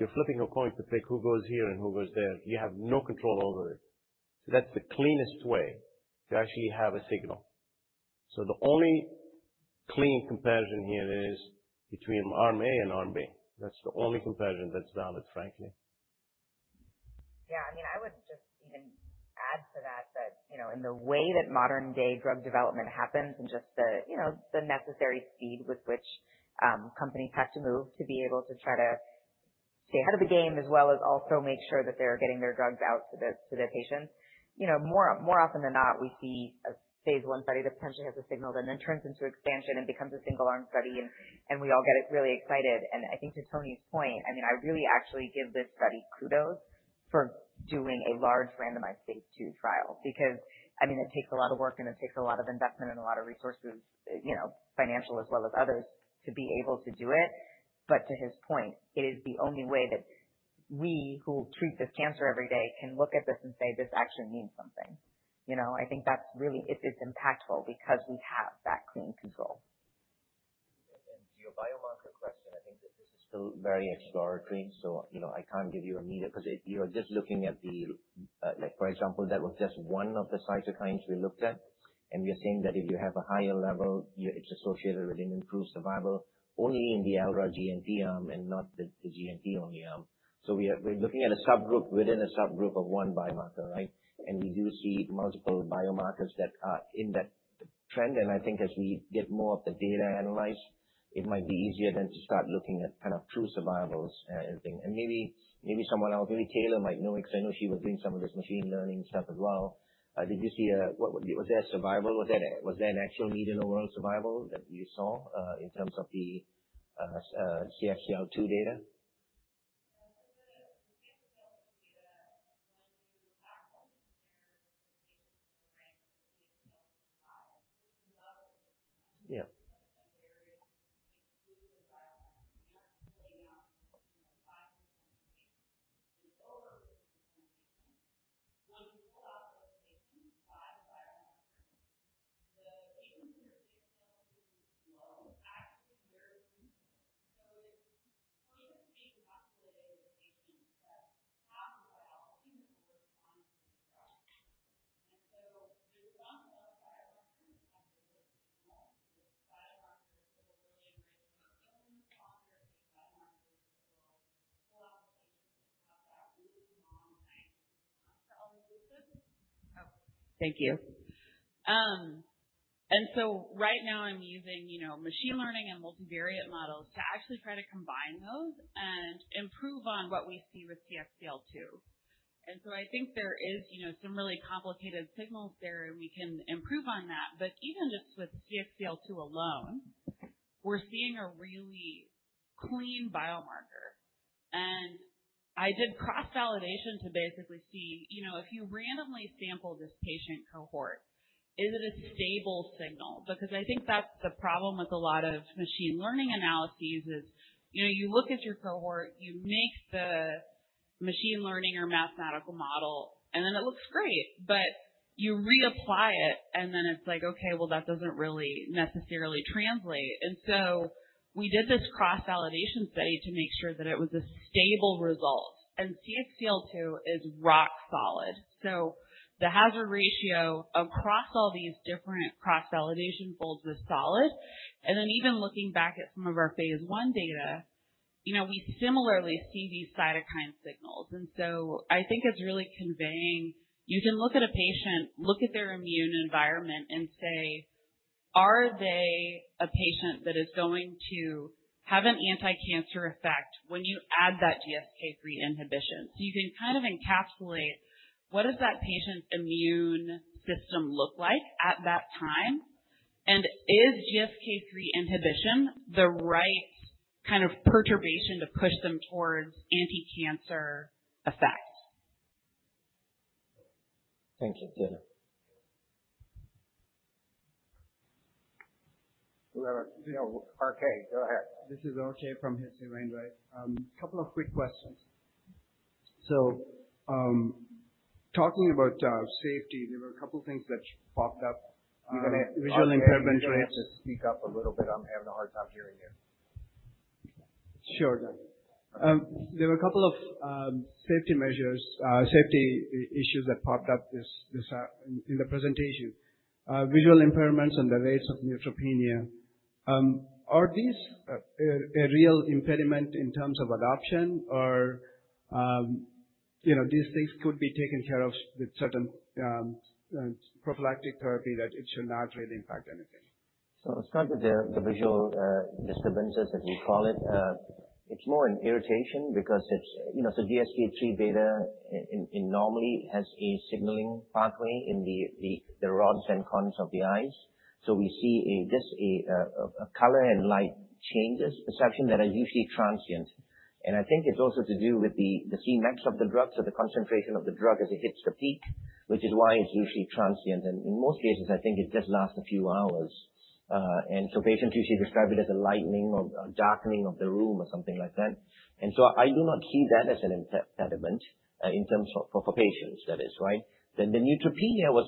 You're flipping a coin to pick who goes here and who goes there. You have no control over it. That's the cleanest way to actually have a signal. The only clean comparison here is between arm A and arm B. That's the only comparison that's valid, frankly. Yeah. I mean, I would just even add to that in the way that modern day drug development happens and just the necessary speed with which companies have to move to be able to try to stay ahead of the game, as well as also make sure that they're getting their drugs out to their patients. More often than not, we see a phase I study that potentially has a signal, then turns into expansion and becomes a single arm study, and we all get really excited. I think to Tony's point, I mean, I really actually give this study kudos for doing a large randomized phase II trial, because, I mean, it takes a lot of work, and it takes a lot of investment and a lot of resources, financial as well as others, to be able to do it. To his point, it is the only way that we who treat this cancer every day can look at this and say, "This actually means something." I think that's really impactful because we have that clean control. To your biomarker question, I think that this is still very exploratory, so I can't give you immediate, because that was just one of the cytokines we looked at, and we are saying that if you have a higher level, it's associated with an improved survival only in the elra-GnP arm and not the GnP-only arm. We're looking at a subgroup within a subgroup of one biomarker, right? We do see multiple biomarkers that are in that trend, and I think as we get more of the data analyzed, it might be easier then to start looking at kind of true survivals and things. Maybe someone else, maybe Taylor might know, because I know she was doing some of this machine learning stuff as well. Did you see, was there a survival? Was there an actual median overall survival that you saw, in terms of the CXCL2 data? I did cross-validation to basically see if you randomly sample this patient cohort, is it a stable signal? Because I think that's the problem with a lot of machine learning analyses is, you look at your cohort, you make the machine learning or mathematical model, and then it looks great, but you reapply it, and then it's like, okay, well, that doesn't really necessarily translate. We did this cross-validation study to make sure that it was a stable result, and CXCL2 is rock solid. The hazard ratio across all these different cross-validation folds was solid. Even looking back at some of our phase I data, we similarly see these cytokine signals. I think it's really conveying, you can look at a patient, look at their immune environment and say, are they a patient that is going to have an anticancer effect when you add that GSK3 inhibition? You can kind of encapsulate what does that patient's immune system look like at that time, and is GSK3 inhibition the right kind of perturbation to push them towards anticancer effects? Thank you, Taylor. We have RK. Go ahead. This is RK from A couple of quick questions. Talking about safety, there were a couple things that popped up. Visual impairment. You're going to have to speak up a little bit. I'm having a hard time hearing you. Sure. There were a couple of safety measures, safety issues that popped up in the presentation. Visual impairments and the rates of neutropenia. Are these a real impediment in terms of adoption or these things could be taken care of with certain prophylactic therapy that it should not really impact anything? Let's start with the visual disturbances, as we call it. It's more an irritation because the GSK3 beta normally has a signaling pathway in the rods and cones of the eyes. We see just a color and light changes perception that are usually transient. I think it's also to do with the Cmax of the drug, so the concentration of the drug as it hits the peak, which is why it's usually transient. In most cases, I think it just lasts a few hours. Patients usually describe it as a lightening or darkening of the room or something like that. I do not see that as an impediment in terms of, for patients that is. Right? The neutropenia was,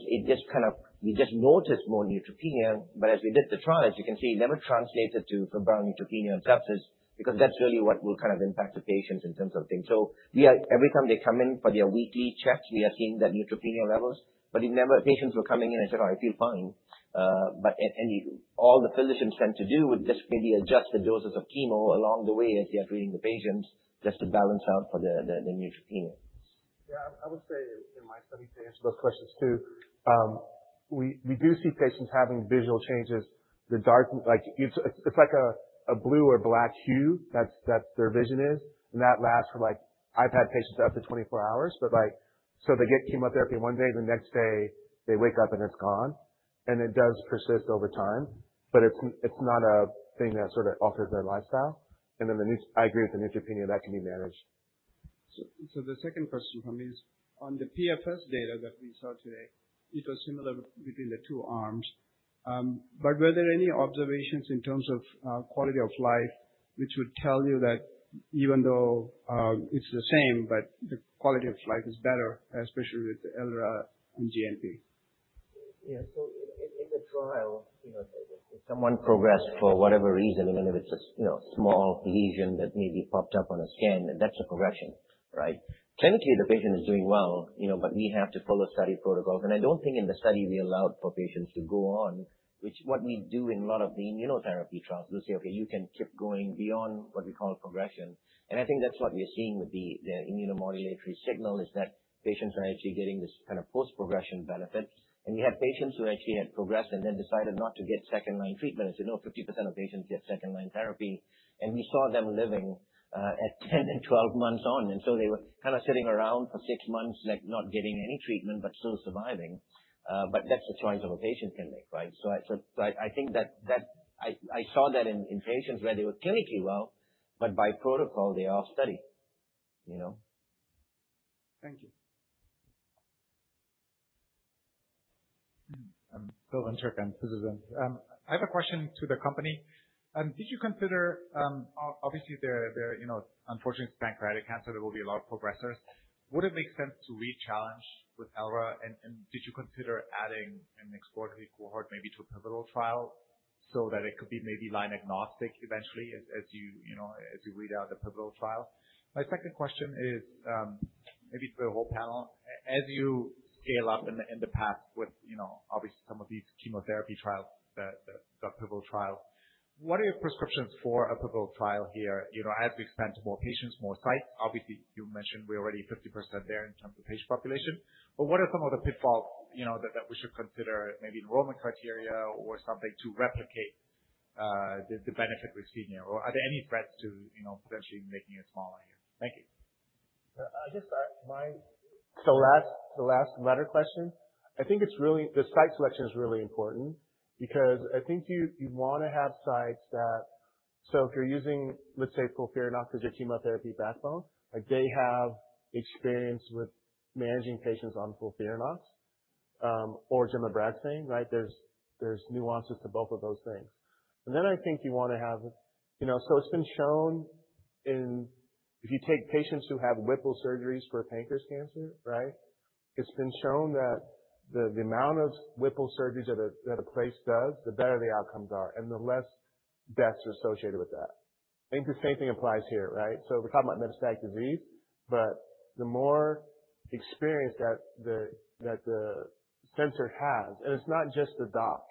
we just noticed more neutropenia, but as we did the trials, you can see it never translated to febrile neutropenia episodes because that's really what will kind of impact the patients in terms of things. Every time they come in for their weekly check, we are seeing the neutropenia levels. Patients were coming in and said, "Oh, I feel fine." All the physicians tend to do is just maybe adjust the doses of chemo along the way as they are treating the patients just to balance out for the neutropenia. I would say in my study to answer those questions too, we do see patients having visual changes. It's like a blue or black hue that their vision is, and that lasts for like, I've had patients up to 24 hours, but so they get chemotherapy one day, the next day they wake up and it's gone. It does persist over time, but it's not a thing that sort of alters their lifestyle. I agree with the neutropenia, that can be managed. The second question from me is on the PFS data that we saw today, it was similar between the two arms. Were there any observations in terms of quality of life which would tell you that even though it's the same, the quality of life is better, especially with elra+GnP? Yeah. In the trial, if someone progressed for whatever reason, even if it's a small lesion that maybe popped up on a scan, that's a progression. Right? Clinically, the patient is doing well, but we have to follow study protocols. I don't think in the study we allowed for patients to go on, what we do in a lot of the immunotherapy trials, we'll say, "Okay, you can keep going beyond what we call progression." I think that's what we're seeing with the immunomodulatory signal is that patients are actually getting this kind of post-progression benefit. We had patients who actually had progressed and then decided not to get second-line treatment and said, "No, 50% of patients get second-line therapy." We saw them living at 10 and 12 months on, they were kind of sitting around for 6 months, not getting any treatment but still surviving. That's a choice that a patient can make, right? I think that I saw that in patients where they were clinically well. But by protocol they all study. Thank you. I'm Phil Winter, I'm a physician. I have a question to the company. Did you consider, obviously, unfortunately, it's pancreatic cancer, there will be a lot of progressors. Would it make sense to re-challenge with elra, and did you consider adding an exploratory cohort maybe to a pivotal trial so that it could be maybe line agnostic eventually as you read out the pivotal trial? My second question is maybe for the whole panel. As you scale up in the path with obviously some of these chemotherapy trials, the pivotal trial, what are your prescriptions for a pivotal trial here as we expand to more patients, more sites? Obviously, you mentioned we're already 50% there in terms of patient population, but what are some of the pitfalls that we should consider, maybe enrollment criteria or something to replicate the benefit we're seeing here? Are there any threats to potentially making it smaller here? Thank you. I'll just start. The last latter question, I think the site selection is really important because I think you want to have sites that, if you're using, let's say FOLFIRINOX as your chemotherapy backbone, they have experience with managing patients on FOLFIRINOX or gemcitabine, right? There's nuances to both of those things. I think you want to have, it's been shown if you take patients who have Whipple surgeries for pancreas cancer, right? It's been shown that the amount of Whipple surgeries that a place does, the better the outcomes are and the less deaths are associated with that. I think the same thing applies here, right? We're talking about metastatic disease, but the more experience that the center has, and it's not just the doc,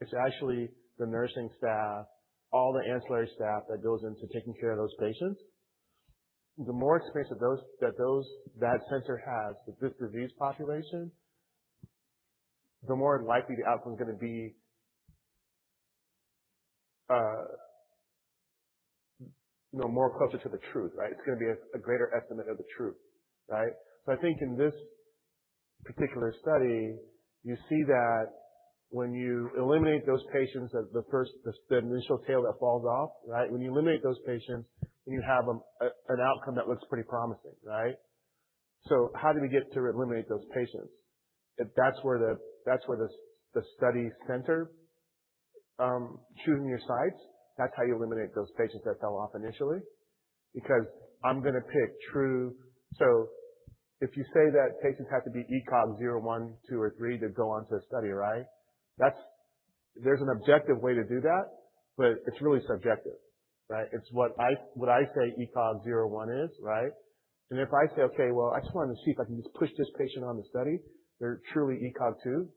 it's actually the nursing staff, all the ancillary staff that goes into taking care of those patients. The more experience that that center has with this disease population, the more likely the outcome's going to be more closer to the truth, right? It's going to be a greater estimate of the truth, right? I think in this particular study, you see that when you eliminate those patients at the first, the initial tail that falls off, right? When you eliminate those patients, you have an outcome that looks pretty promising, right? How do we get to eliminate those patients? That's where the study center, choosing your sites, that's how you eliminate those patients that fell off initially. Because I'm going to pick true. If you say that patients have to be ECOG 0, 1, 2, or 3 to go on to a study, right? There's an objective way to do that, but it's really subjective, right? It's what I say ECOG 0/1 is, right? If I say, "Okay, well, I just want to see if I can just push this patient on the study," they're truly ECOG 2,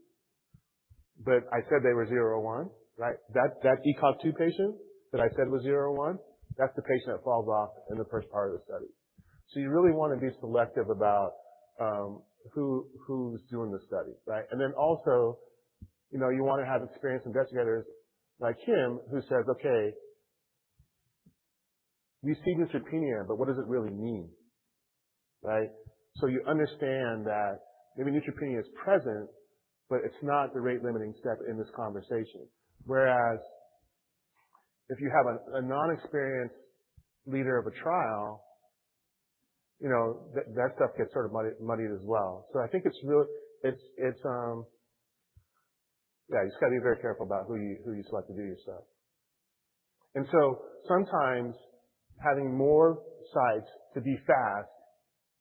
but I said they were 0/1, right? That ECOG 2 patient that I said was 0/1, that's the patient that falls off in the first part of the study. You really want to be selective about who's doing the study, right? Also, you want to have experienced investigators like him who says, "Okay, we see neutropenia, but what does it really mean?" Right? You understand that maybe neutropenia is present, but it's not the rate limiting step in this conversation. Whereas if you have a non-experienced leader of a trial, that stuff gets sort of muddied as well. I think you just got to be very careful about who you select to do your study. Sometimes having more sites to be fast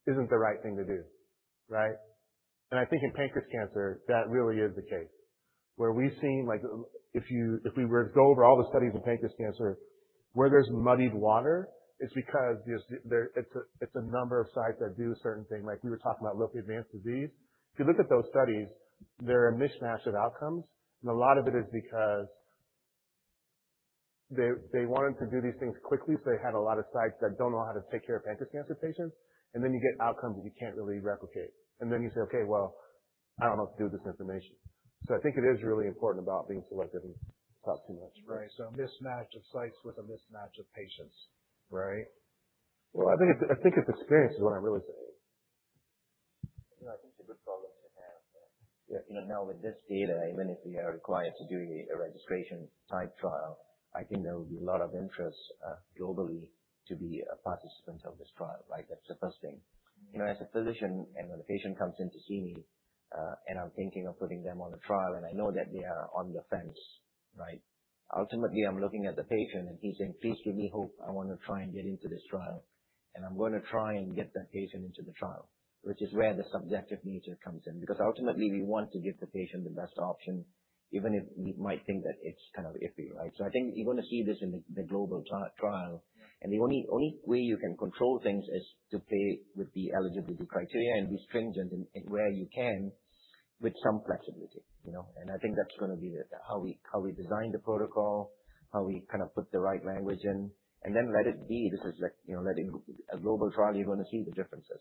isn't the right thing to do, right? I think in pancreatic cancer, that really is the case, where we've seen if we were to go over all the studies of pancreatic cancer where there's muddied water, it's because it's a number of sites that do a certain thing. Like we were talking about locally advanced disease. If you look at those studies, they're a mishmash of outcomes, and a lot of it is because they wanted to do these things quickly, so they had a lot of sites that don't know how to take care of pancreatic cancer patients, and then you get outcomes that you can't really replicate. You say, "Okay, well, I don't know what to do with this information." I think it is really important about being selective and not too much, right? Right. A mismatch of sites with a mismatch of patients, right? Well, I think it's experience is what I'm really saying. I think it's a good problem to have. With this data, even if we are required to do a registration-type trial, I think there will be a lot of interest globally to be a participant of this trial. That's the first thing. As a physician when a patient comes in to see me, I'm thinking of putting them on a trial, I know that they are on the fence, right? Ultimately, I'm looking at the patient and he's saying, "Please give me hope. I want to try and get into this trial." I'm going to try and get that patient into the trial, which is where the subjective nature comes in. Ultimately, we want to give the patient the best option, even if we might think that it's kind of iffy, right? I think you're going to see this in the global trial, and the only way you can control things is to play with the eligibility criteria and be stringent where you can with some flexibility. I think that's going to be how we design the protocol, how we kind of put the right language in, and then let it be. This is like letting a global trial, you're going to see the differences.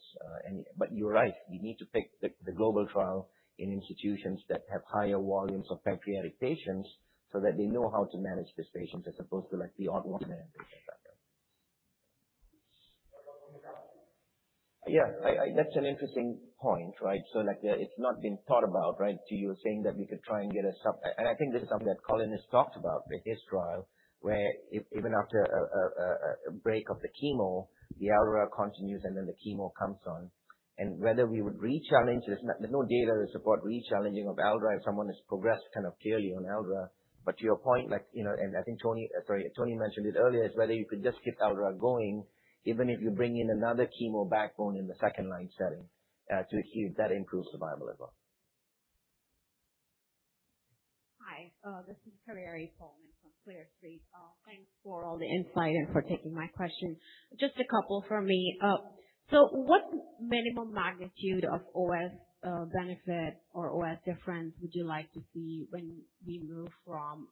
You're right, you need to pick the global trial in institutions that have higher volumes of pancreatic patients so that they know how to manage these patients as opposed to the odd one here and there. Yeah. That's an interesting point, right? Like, it's not been thought about, right? To you saying that we could try and get a sub I think this is something that Colin has talked about with his trial, where even after a break of the chemo, the elraglusib continues, and then the chemo comes on. Whether we would re-challenge, there's no data to support re-challenging of elraglusib if someone has progressed kind of clearly on elraglusib. To your point, I think Tony mentioned it earlier, is whether you could just keep elraglusib going, even if you bring in another chemo backbone in the second-line setting to see if that improves survival as well. Hi. This is Kareri Coleman from Claire Street. Thanks for all the insight and for taking my questions. Just a couple from me. What minimal magnitude of OS benefit or OS difference would you like to see when we move from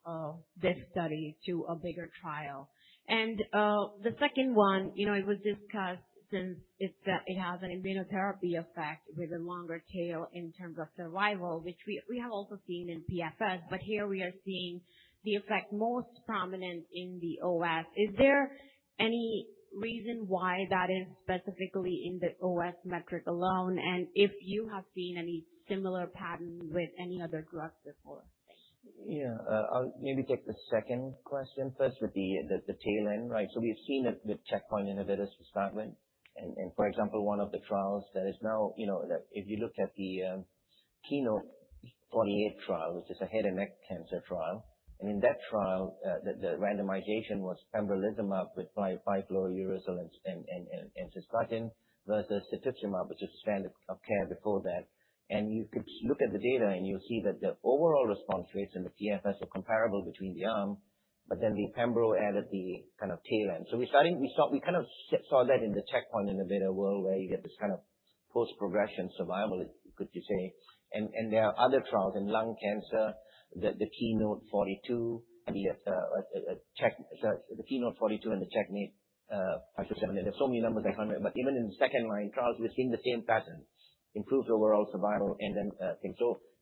this study to a bigger trial? The second one, it was discussed since it has an immunotherapy effect with a longer tail in terms of survival, which we have also seen in PFS, but here we are seeing the effect most prominent in the OS. Is there any reason why that is specifically in the OS metric alone? If you have seen any similar patterns with any other drugs before? Thanks. I'll maybe take the second question first with the tail end, right? We've seen it with checkpoint inhibitors for start with, for example, one of the trials that is now, if you look at the KEYNOTE-048 trial, which is a head and neck cancer trial, in that trial, the randomization was pembrolizumab with fluorouracil and cisplatin versus cetuximab, which was standard of care before that. You could look at the data and you'll see that the overall response rates and the PFS were comparable between the arm, the pembro added the kind of tail end. We kind of saw that in the checkpoint inhibitor world where you get this kind of post-progression survival, if you could say. There are other trials in lung cancer, the KEYNOTE-042 and the CheckMate-577. There's so many numbers I can't remember, even in the second-line trials, we're seeing the same patterns, improved overall survival and things.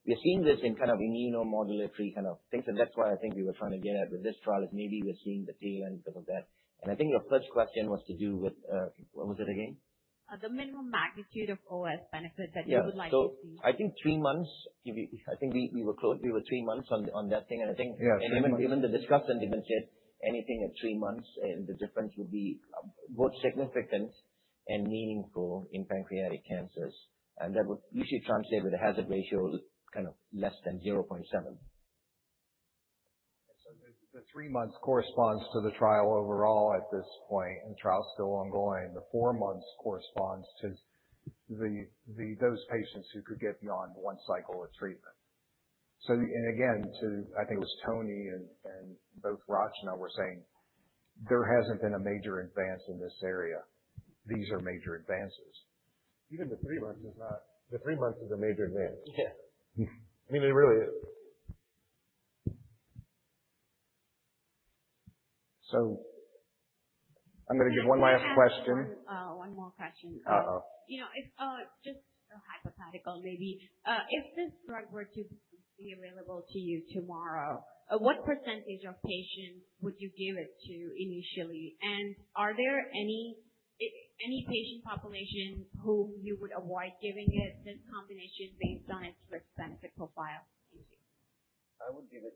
We're seeing this in kind of immunomodulatory kind of things, that's what I think we were trying to get at with this trial, is maybe we're seeing the tail end because of that. I think your first question was to do with, what was it again? The minimum magnitude of OS benefit that you would like to see. I think three months, I think we were close. We were three months on that thing. Yeah, three months. I think even the discussants even said anything at three months, and the difference would be both significant and meaningful in pancreatic cancers. That would usually translate with a hazard ratio kind of less than 0.7. The three months corresponds to the trial overall at this point, and the trial's still ongoing. The four months corresponds to those patients who could get beyond one cycle of treatment. Again, to, I think it was Tony and both Rachna were saying, there hasn't been a major advance in this area. These are major advances. Even the three months is a major advance. Yeah. I mean, it really is. I'm gonna give one last question. One more question. Uh-oh. Just a hypothetical, maybe. If this drug were to be available to you tomorrow, what % of patients would you give it to initially? Are there any patient population whom you would avoid giving it, this combination, based on its risk-benefit profile? Thank you.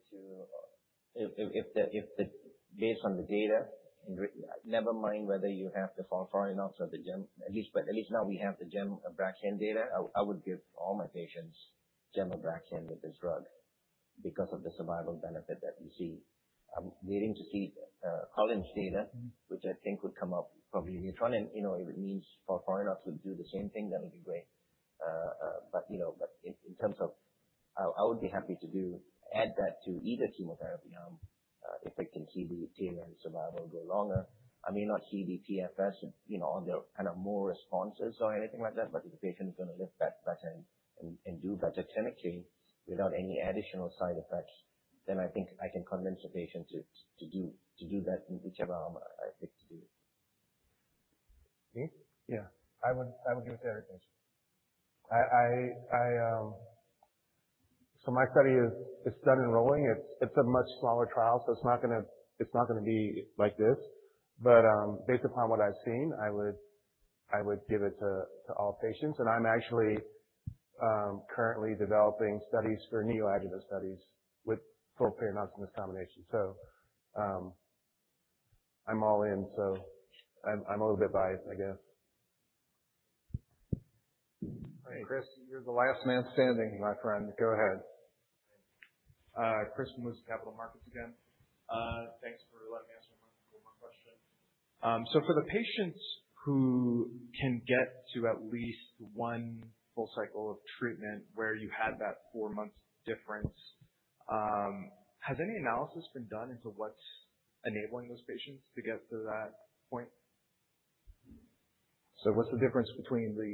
Based on the data, never mind whether you have to fall far enough, but at least now we have the gemcitabine/ABRAXANE data, I would give all my patients gemcitabine/ABRAXANE with this drug because of the survival benefit that we see. I'm waiting to see Colin Weekes' data, which I think would come up probably in front end. If it needs far enough to do the same thing, that would be great. In terms of, I would be happy to add that to either chemotherapy arm if it can heed the tail end survival go longer. I may not heed the PFS on the kind of more responses or anything like that, if the patient is going to live better and do better chemically without any additional side effects, then I think I can convince the patient to do that in whichever arm I pick to do. Me? Yeah. I would give it to every patient. My study is done enrolling. It's a much smaller trial, it's not going to be like this. Based upon what I've seen, I would give it to all patients, I'm actually currently developing studies for neoadjuvant studies with FOLFIRINOX combination. I'm all in. I'm a little bit biased, I guess. All right, Chris, you're the last man standing, my friend. Go ahead. Chris Moose, Capital Markets again. Thanks for letting me ask one more question. For the patients who can get to at least one full cycle of treatment where you had that four-month difference, has any analysis been done into what's enabling those patients to get to that point? What's the difference between the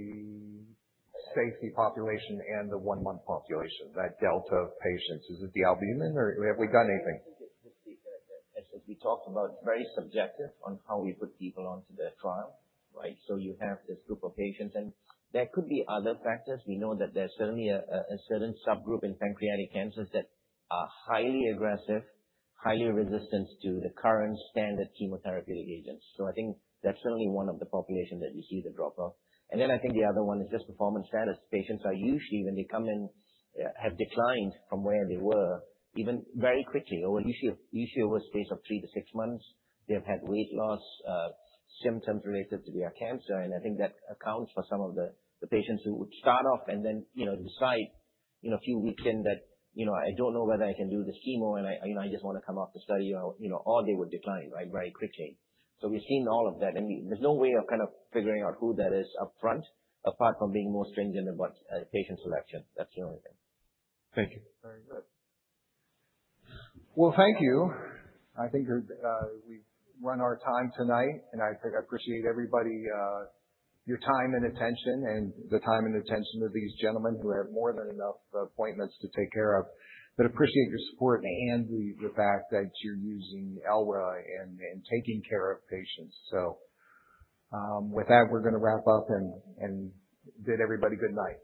safety population and the one-month population, that delta of patients? Is it the albumin or have we done anything? As we talked about, very subjective on how we put people onto the trial, right? You have this group of patients, there could be other factors. We know that there's certainly a certain subgroup in pancreatic cancers that are highly aggressive, highly resistant to the current standard chemotherapeutic agents. I think that's certainly one of the population that we see the drop-off. I think the other one is just performance status. Patients are usually, when they come in, have declined from where they were, even very quickly. Usually, over a space of three to six months, they have had weight loss, symptoms related to their cancer, I think that accounts for some of the patients who would start off and then decide a few weeks in that, "I don't know whether I can do this chemo and I just want to come off the study." They would decline very quickly. We've seen all of that, there's no way of kind of figuring out who that is upfront, apart from being more stringent about patient selection. That's the only thing. Thank you. Very good. Well, thank you. I think we've run our time tonight. I appreciate everybody, your time and attention, and the time and attention of these gentlemen who have more than enough appointments to take care of. Appreciate your support and the fact that you're using elraglusib and taking care of patients. With that, we're going to wrap up and bid everybody good night.